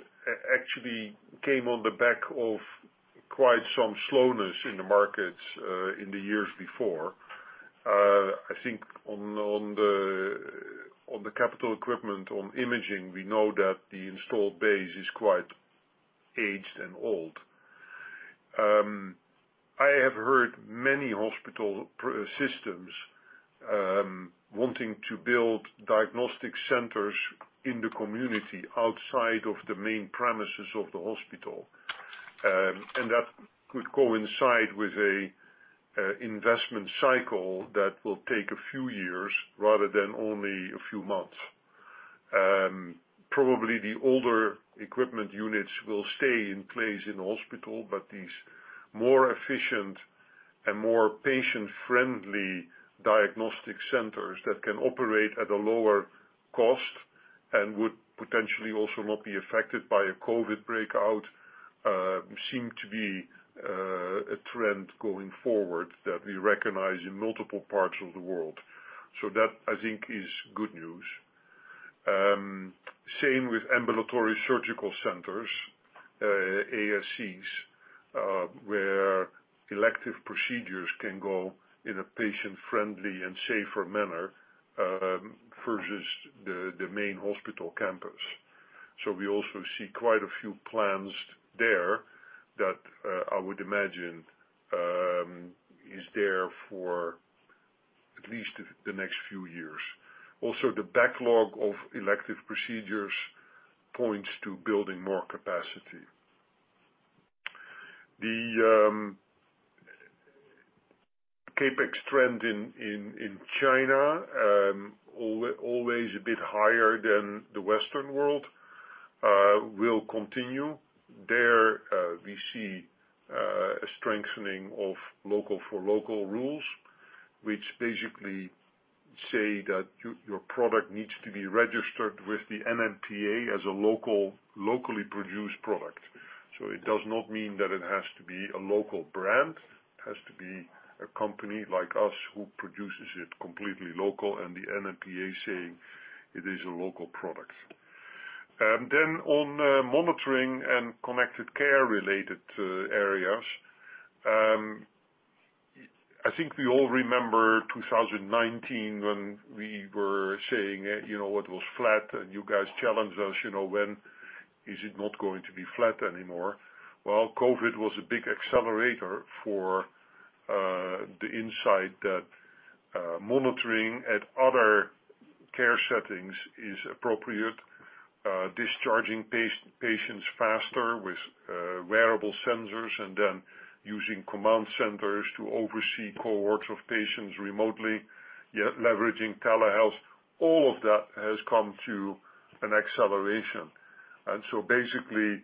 actually came on the back of quite some slowness in the markets in the years before. I think on the capital equipment on imaging, we know that the installed base is quite aged and old. I have heard many hospital systems wanting to build diagnostic centers in the community outside of the main premises of the hospital. That could coincide with an investment cycle that will take a few years rather than only a few months. Probably the older equipment units will stay in place in the hospital, but these more efficient and more patient-friendly diagnostic centers that can operate at a lower cost and would potentially also not be affected by a COVID-19 breakout, seem to be a trend going forward that we recognize in multiple parts of the world. That, I think is good news. Same with ambulatory surgical centers, ASCs, where elective procedures can go in a patient-friendly and safer manner versus the main hospital campus. We also see quite a few plans there that I would imagine is there for at least the next few years. Also, the backlog of elective procedures points to building more capacity. The CapEx trend in China, always a bit higher than the Western world, will continue. There, we see a strengthening of local for local rules, which basically say that your product needs to be registered with the NMPA as a locally produced product. It does not mean that it has to be a local brand. It has to be a company like us who produces it completely local and the NMPA saying it is a local product. On monitoring and Connected Care-related areas. I think we all remember 2019 when we were saying it was flat and you guys challenged us, "When is it not going to be flat anymore?" Well, COVID-19 was a big accelerator for the insight that monitoring at other care settings is appropriate. Discharging patients faster with wearable sensors and then using command centers to oversee cohorts of patients remotely, yet leveraging telehealth, all of that has come to an acceleration. Basically,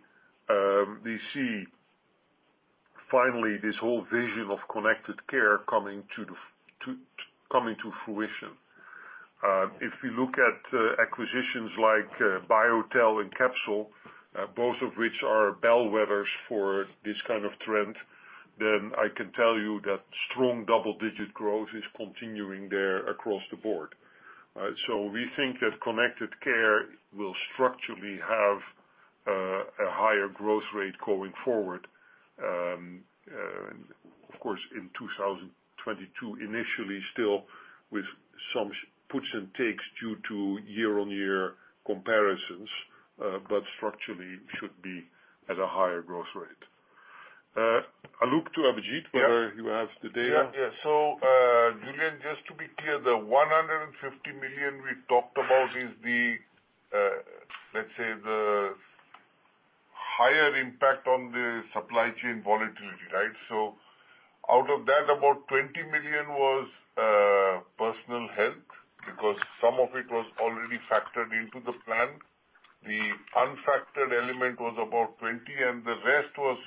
Finally, this whole vision of Connected Care coming to fruition. If we look at acquisitions like BioTelemetry and Capsule Technologies, both of which are bellwethers for this kind of trend, then I can tell you that strong double-digit growth is continuing there across the board. We think that Connected Care will structurally have a higher growth rate going forward. Of course, in 2022, initially still with some puts and takes due to year-on-year comparisons, but structurally should be at a higher growth rate. I look to Abhijit, whether you have the data. Julien, just to be clear, the 150 million we talked about is the, let's say, the higher impact on the supply chain volatility, right? Out of that, about 20 million was Personal Health because some of it was already factored into the plan. The unfactored element was about 20, and the rest was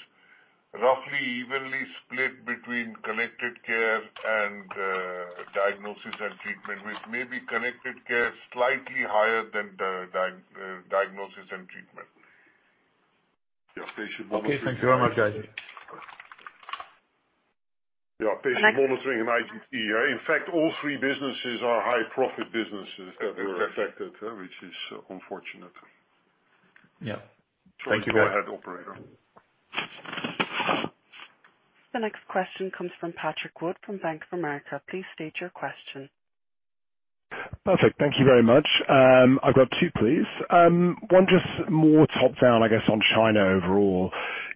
roughly evenly split between Connected Care and Diagnosis & Treatment, with maybe Connected Care slightly higher than the Diagnosis & Treatment. Patient monitoring and IT. Okay. Thank you very much, Abhijit. Yeah. Next. Patient monitoring and IT. In fact, all three businesses are high profit businesses that were affected, which is unfortunate. Yeah. Thank you. Go ahead, operator. The next question comes from Patrick Wood from Bank of America. Please state your question. Perfect. Thank you very much. I've got two, please. One just more top-down, I guess, on China overall.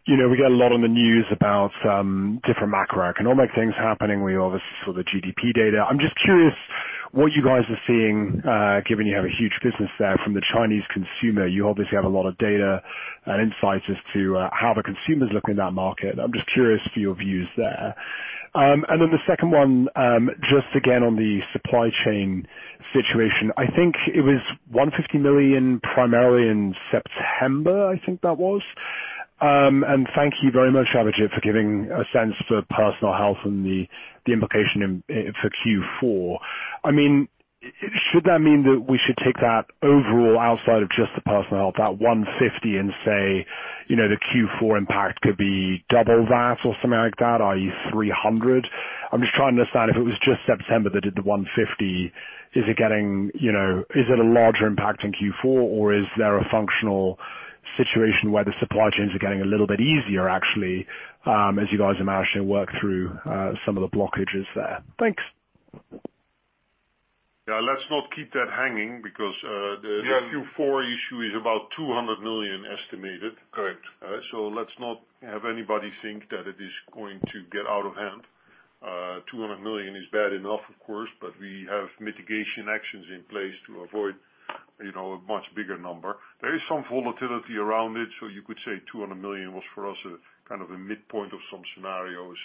We get a lot on the news about different macroeconomic things happening. We obviously saw the GDP data. I'm just curious what you guys are seeing, given you have a huge business there from the Chinese consumer. You obviously have a lot of data and insights as to how the consumer's looking in that market. I'm just curious for your views there. Then the second one, just again on the supply chain situation. I think it was 150 million primarily in September, I think that was. Thank you very much, Abhijit, for giving a sense for Personal Health and the implication for Q4. Should that mean that we should take that overall outside of just the Personal Health, that 150 and say, the Q4 impact could be double that or something like that, i.e., 300? I'm just trying to understand if it was just September that did the 150. Is it a larger impact in Q4 or is there a functional situation where the supply chains are getting a little bit easier, actually, as you guys are managing to work through some of the blockages there? Thanks. Yeah, let's not keep that hanging because the Q4 issue is about 200 million estimated. Correct. Let's not have anybody think that it is going to get out of hand. 200 million is bad enough, of course. We have mitigation actions in place to avoid a much bigger number. There is some volatility around it. You could say 200 million was for us, kind of a midpoint of some scenarios.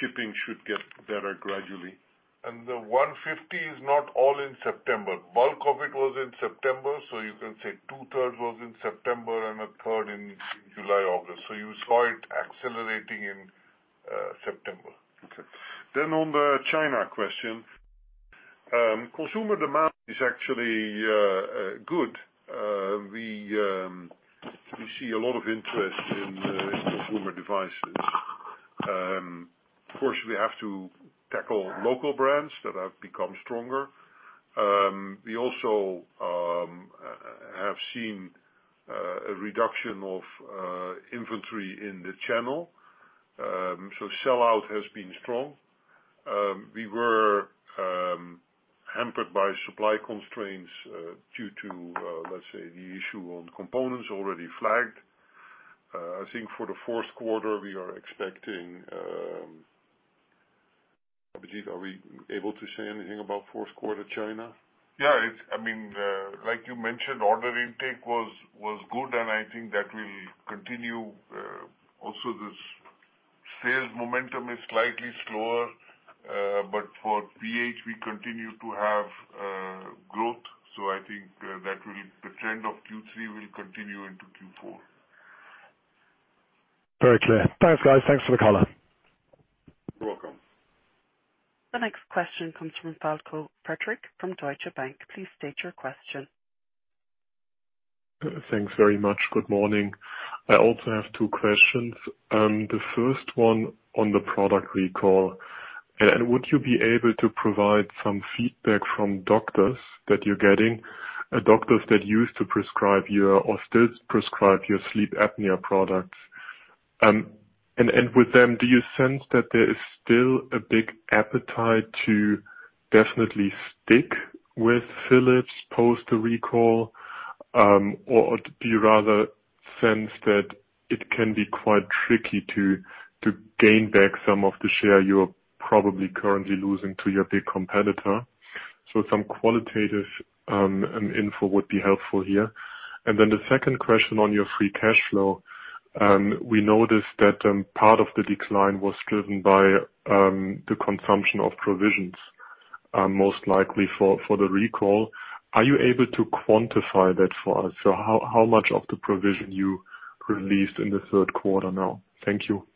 Shipping should get better gradually. The 150 is not all in September. Bulk of it was in September, so you can say two-third was in September and one-third in July, August. You saw it accelerating in September. On the China question. Consumer demand is actually good. We see a lot of interest in consumer devices. Of course, we have to tackle local brands that have become stronger. We also have seen a reduction of inventory in the channel. Sell-out has been strong. We were hampered by supply constraints due to, let's say, the issue on components already flagged. I think for the fourth quarter, we are expecting Abhijit, are we able to say anything about fourth quarter China? Like you mentioned, order intake was good and I think that will continue. The sales momentum is slightly slower. For PH, we continue to have growth. I think the trend of Q3 will continue into Q4. Very clear. Thanks, guys. Thanks for the color. You're welcome. The next question comes from Falko Friedrichs from Deutsche Bank. Please state your question. Thanks very much. Good morning. I also have two questions. The first one on the product recall. Would you be able to provide some feedback from doctors that you're getting, doctors that used to prescribe your or still prescribe your sleep apnea products? With them, do you sense that there is still a big appetite to definitely stick with Philips post the recall? Do you rather sense that it can be quite tricky to gain back some of the share you're probably currently losing to your big competitor? Some qualitative info would be helpful here. The second question on your free cash flow. We noticed that part of the decline was driven by the consumption of provisions. Most likely for the recall. Are you able to quantify that for us? How much of the provision you released in the third quarter now? Thank you.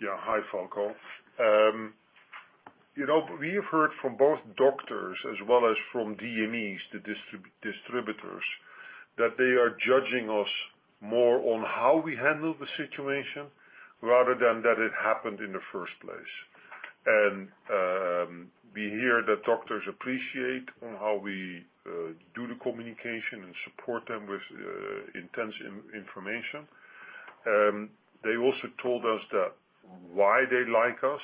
Yeah. Hi, Falko. We have heard from both doctors as well as from DMEs, the distributors, that they are judging us more on how we handle the situation rather than that it happened in the first place. We hear that doctors appreciate on how we do the communication and support them with intense information. They also told us that why they like us,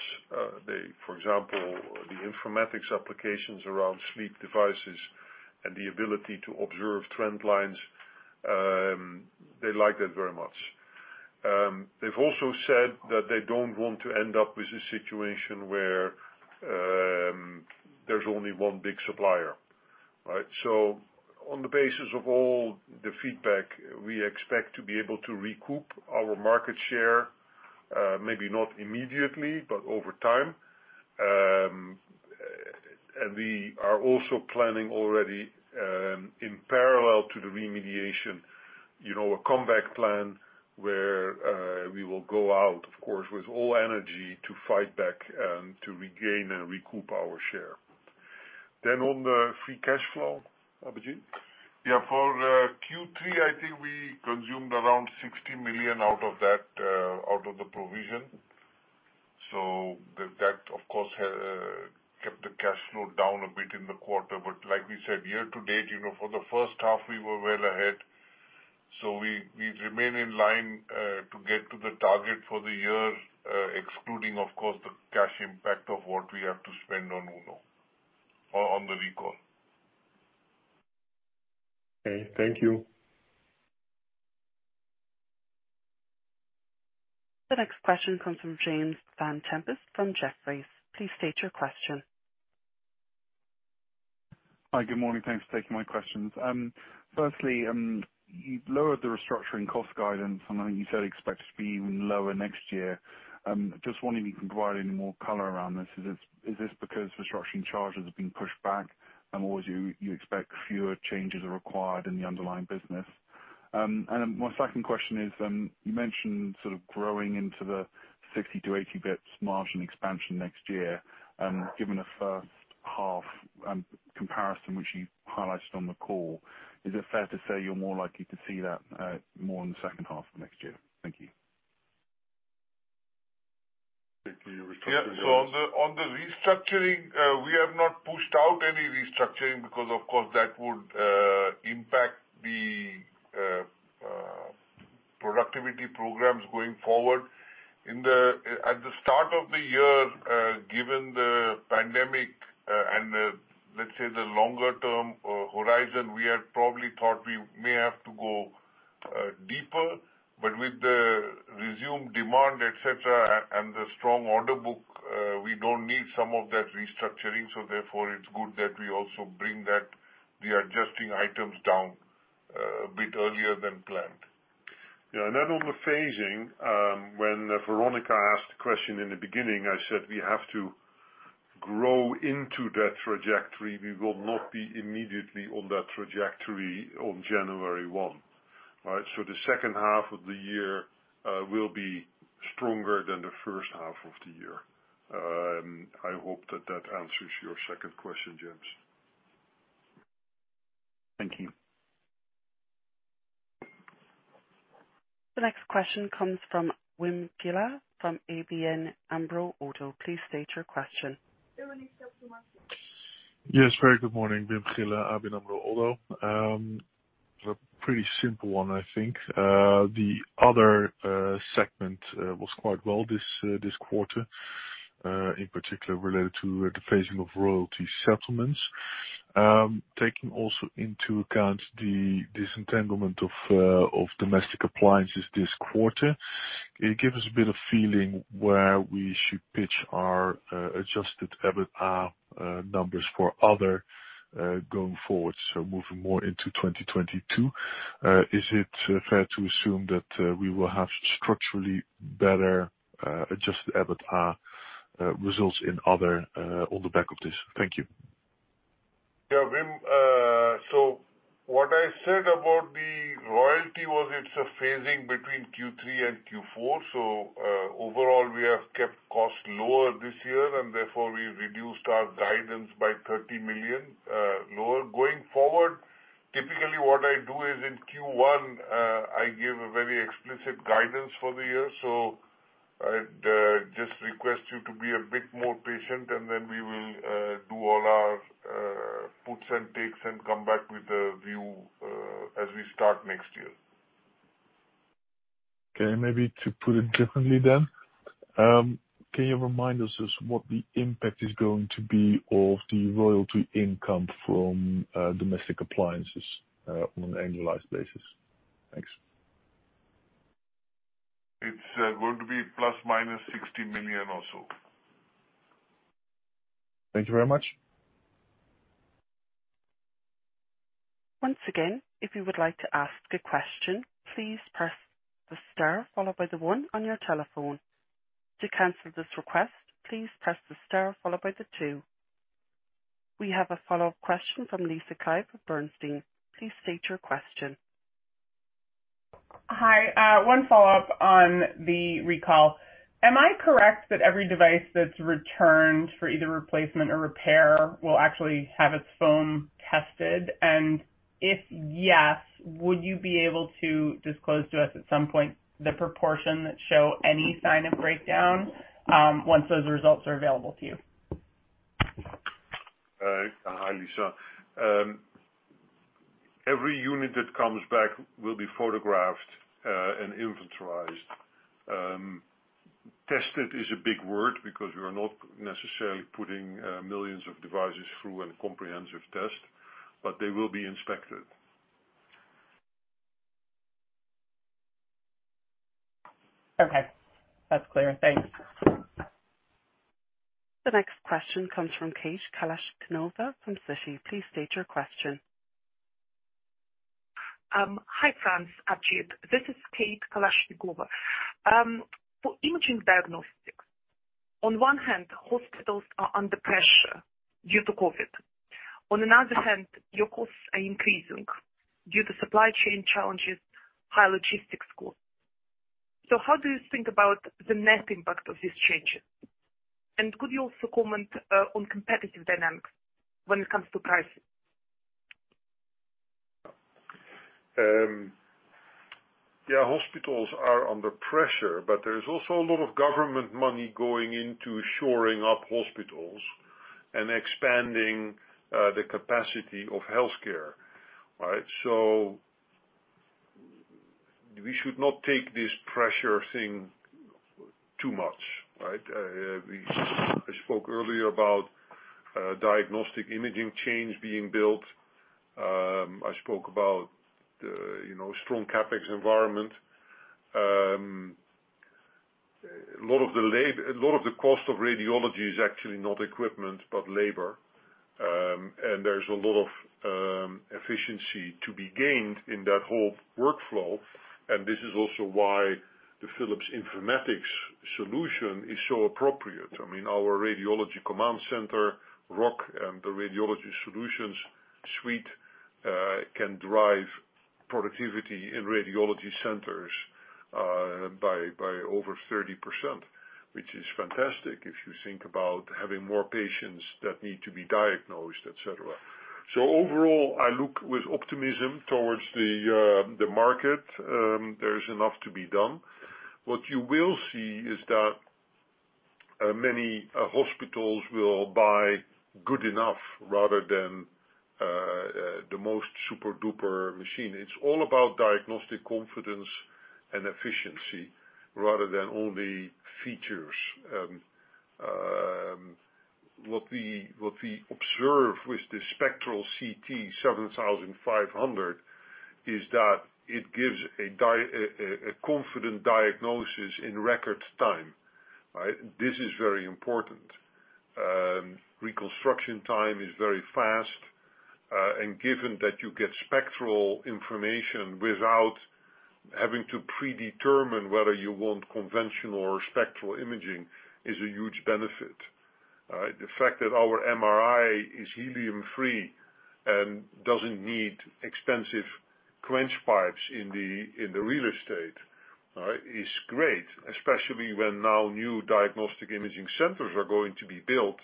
for example, the informatics applications around sleep devices and the ability to observe trend lines, they like that very much. They've also said that they don't want to end up with a situation where there's only one big supplier. Right? On the basis of all the feedback, we expect to be able to recoup our market share, maybe not immediately, but over time. We are also planning already, in parallel to the remediation, a comeback plan where we will go out, of course, with all energy to fight back and to regain and recoup our share. On the free cash flow, Abhijit? Yeah. For Q3, I think we consumed around 60 million out of the provision. That, of course, kept the cash flow down a bit in the quarter. Like we said, year to date, for the first half, we were well ahead. We remain in line, to get to the target for the year, excluding, of course, the cash impact of what we have to spend on—you know or on the recall. Okay. Thank you. The next question comes from James Vane-Tempest from Jefferies. Please state your question. Hi. Good morning. Thanks for taking my questions. Firstly, you've lowered the restructuring cost guidance, and I know you said expect it to be even lower next year. Just wondering if you can provide any more color around this. Is this because restructuring charges are being pushed back? What would you expect fewer changes are required in the underlying business? My second question is, you mentioned sort of growing into the 60 to 80 basis points margin expansion next year. Given the first half comparison, which you highlighted on the call, is it fair to say you're more likely to see that more in the second half of next year? Thank you. On the restructuring, we have not pushed out any restructuring because, of course, that would impact the productivity programs going forward. At the start of the year, given the pandemic, and let's say the longer-term horizon, we had probably thought we may have to go deeper. With the resumed demand, et cetera, and the strong order book, we don't need some of that restructuring. Therefore it's good that we also bring the adjusted items down a bit earlier than planned. Yeah. On the phasing, when Veronika asked the question in the beginning, I said we have to grow into that trajectory. We will not be immediately on that trajectory on January 1. Right? The second half of the year will be stronger than the first half of the year. I hope that answers your second question, James. Thank you. The next question comes from Wim Gille from ABN AMRO-ODDO. Please state your question. Yes, very good morning. Wim Gille, ABN AMRO-ODDO. A pretty simple one, I think. The other segment, was quite well this quarter, in particular related to the phasing of royalty settlements. Taking also into account the disentanglement of Domestic Appliances this quarter, it give us a bit of feeling where we should pitch our adjusted EBITA numbers for other, going forward. Moving more into 2022. Is it fair to assume that we will have structurally better adjusted EBITA results in other on the back of this? Thank you. Wim, what I said about the royalty was it's a phasing between Q3 and Q4. Overall, we have kept costs lower this year, and therefore we reduced our guidance by 30 million lower. Going forward, typically what I do is in Q1, I give a very explicit guidance for the year. I'd just request you to be a bit more patient, and then we will do all our puts and takes and come back with a view as we start next year. Okay. Maybe to put it differently then. Can you remind us, just what the impact is going to be of the royalty income from Domestic Appliances on an annualized basis? Thanks. It's going to be EUR ±60 million or so. Thank you very much. We have a follow-up question from Lisa Clive of Bernstein. Please state your question. Hi. One follow-up on the recall. Am I correct that every device that is returned for either replacement or repair will actually have its foam tested? If yes, would you be able to disclose to us at some point the proportion that show any sign of breakdown, once those results are available to you? Hi, Lisa. Every unit that comes back will be photographed and inventorized. Tested is a big word because we are not necessarily putting millions of devices through a comprehensive test, but they will be inspected. Okay. That's clear. Thanks. The next question comes from Kate Kalashnikova from Citi. Please state your question. Hi, Frans, Abhijit. This is Kate Kalashnikova. For imaging diagnostics, on one hand, hospitals are under pressure due to COVID. On another hand, your costs are increasing due to supply chain challenges, high logistics costs. How do you think about the net impact of these changes? Could you also comment on competitive dynamics when it comes to pricing? Hospitals are under pressure, there is also a lot of government money going into shoring up hospitals and expanding the capacity of healthcare, right? We should not take this pressure thing too much, right? I spoke earlier about diagnostic imaging change being built. I spoke about strong CapEx environment. A lot of the cost of radiology is actually not equipment, but labor. There's a lot of efficiency to be gained in that whole workflow. This is also why the Philips Informatics solution is so appropriate. I mean, our Radiology Operations Command Center, ROCC, and the Radiology Solutions suite can drive productivity in radiology centers by over 30%, which is fantastic if you think about having more patients that need to be diagnosed, et cetera. Overall, I look with optimism towards the market. There's enough to be done. What you will see is that many hospitals will buy good enough rather than the most super-duper machine. It's all about diagnostic confidence and efficiency rather than only features. What we observe with the Spectral CT 7500 is that it gives a confident diagnosis in record time. Right? This is very important. Reconstruction time is very fast. Given that you get spectral information without having to predetermine whether you want conventional or spectral imaging is a huge benefit. Right? The fact that our MRI is helium-free and doesn't need expensive quench pipes in the real estate is great, especially when now new diagnostic imaging centers are going to be built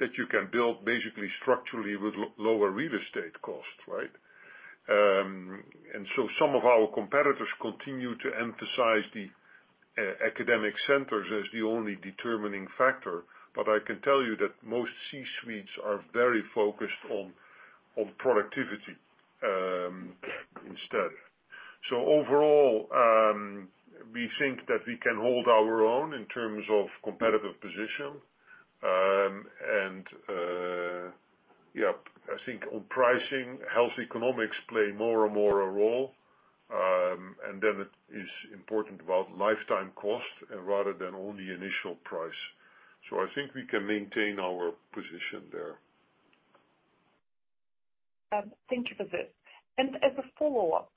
that you can build basically structurally with lower real estate costs, right? Some of our competitors continue to emphasize the academic centers as the only determining factor. I can tell you that most C-suites are very focused on productivity instead. Overall, we think that we can hold our own in terms of competitive position. Yeah, I think on pricing, health economics play more and more a role, and then it is important about lifetime cost rather than only initial price. I think we can maintain our position there. Thank you for this. As a follow-up,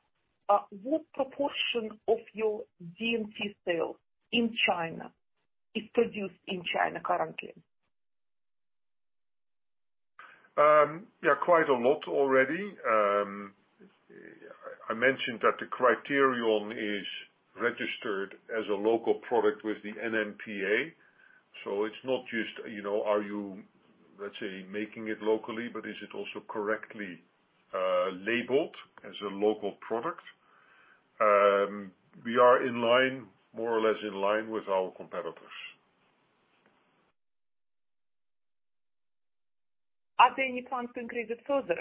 what proportion of your D&T sales in China is produced in China currently? Yeah, quite a lot already. I mentioned that the criterion is registered as a local product with the NMPA. It's not just, are you, let's say, making it locally, but is it also correctly labeled as a local product? We are more or less in line with our competitors. Are there any plans to increase it further?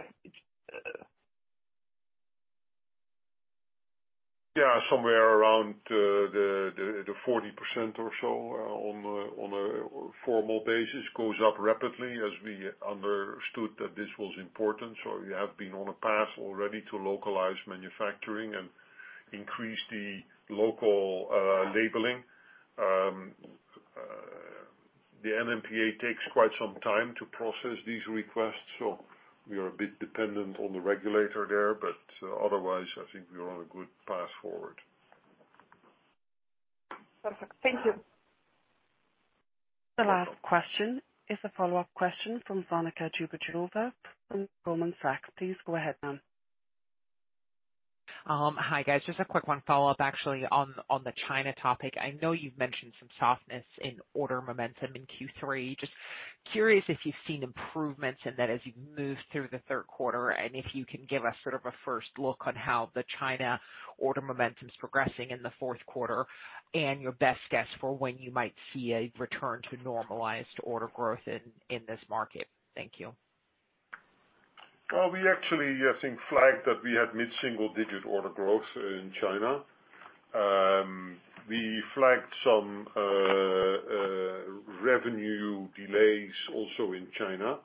Somewhere around the 40% or so on a formal basis goes up rapidly as we understood that this was important. We have been on a path already to localize manufacturing and increase the local labeling. The NMPA takes quite some time to process these requests, so we are a bit dependent on the regulator there. Otherwise, I think we are on a good path forward. Perfect. Thank you. The last question is a follow-up question from Veronika Dubajova from Goldman Sachs. Please go ahead, ma'am. Hi, guys. Just a quick 1 follow-up actually on the China topic. I know you've mentioned some softness in order momentum in Q3. Just curious if you've seen improvements in that as you've moved through the third quarter, and if you can give us sort of a first look on how the China order momentum is progressing in the fourth quarter, and your best guess for when you might see a return to normalized order growth in this market. Thank you. We actually, I think, flagged that we had mid-single-digit order growth in China. We flagged some revenue delays also in China,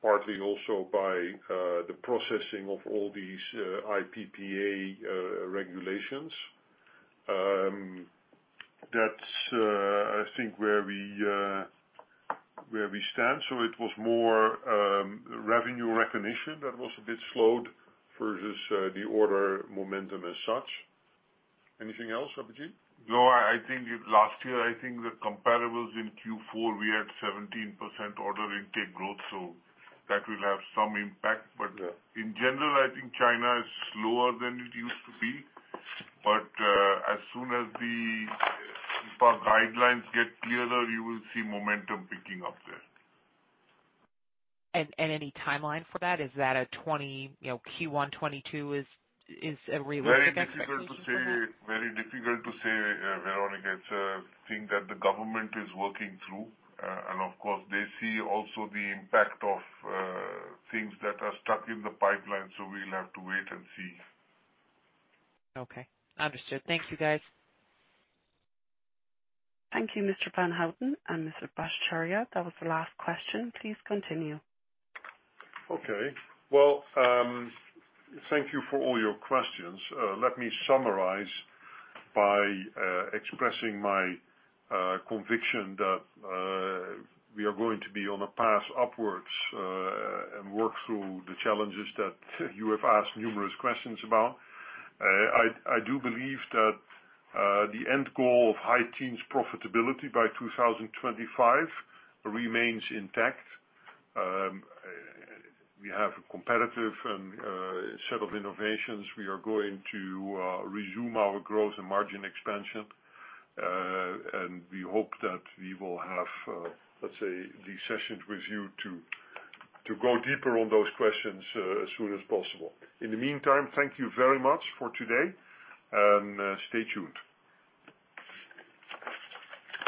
partly also by the processing of all these HIPAA regulations. That's, I think, where we stand. It was more revenue recognition that was a bit slowed versus the order momentum as such. Anything else, Abhijit? No. Last year, I think the comparables in Q4, we had 17% order intake growth, so that will have some impact. Yeah. In general, I think China is slower than it used to be. As soon as the guidelines get clearer, you will see momentum picking up there. Any timeline for that? Is that Q1 2022 is a realistic expectation for that? Very difficult to say, Veronika. It's a thing that the government is working through. Of course, they see also the impact of things that are stuck in the pipeline. We'll have to wait and see. Okay. Understood. Thank you, guys. Thank you, Mr. Van Houten and Mr. Bhattacharya. That was the last question. Please continue. Well, thank you for all your questions. Let me summarize by expressing my conviction that we are going to be on a path upwards, and work through the challenges that you have asked numerous questions about. I do believe that the end goal of high teens profitability by 2025 remains intact. We have a competitive set of innovations. We are going to resume our growth and margin expansion. We hope that we will have, let's say, these sessions with you to go deeper on those questions as soon as possible. In the meantime, thank you very much for today, and stay tuned.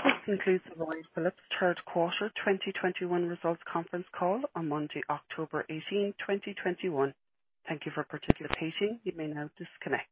This concludes the Royal Philips third quarter 2021 results conference call on Monday, October 18, 2021. Thank you for participating. You may now disconnect.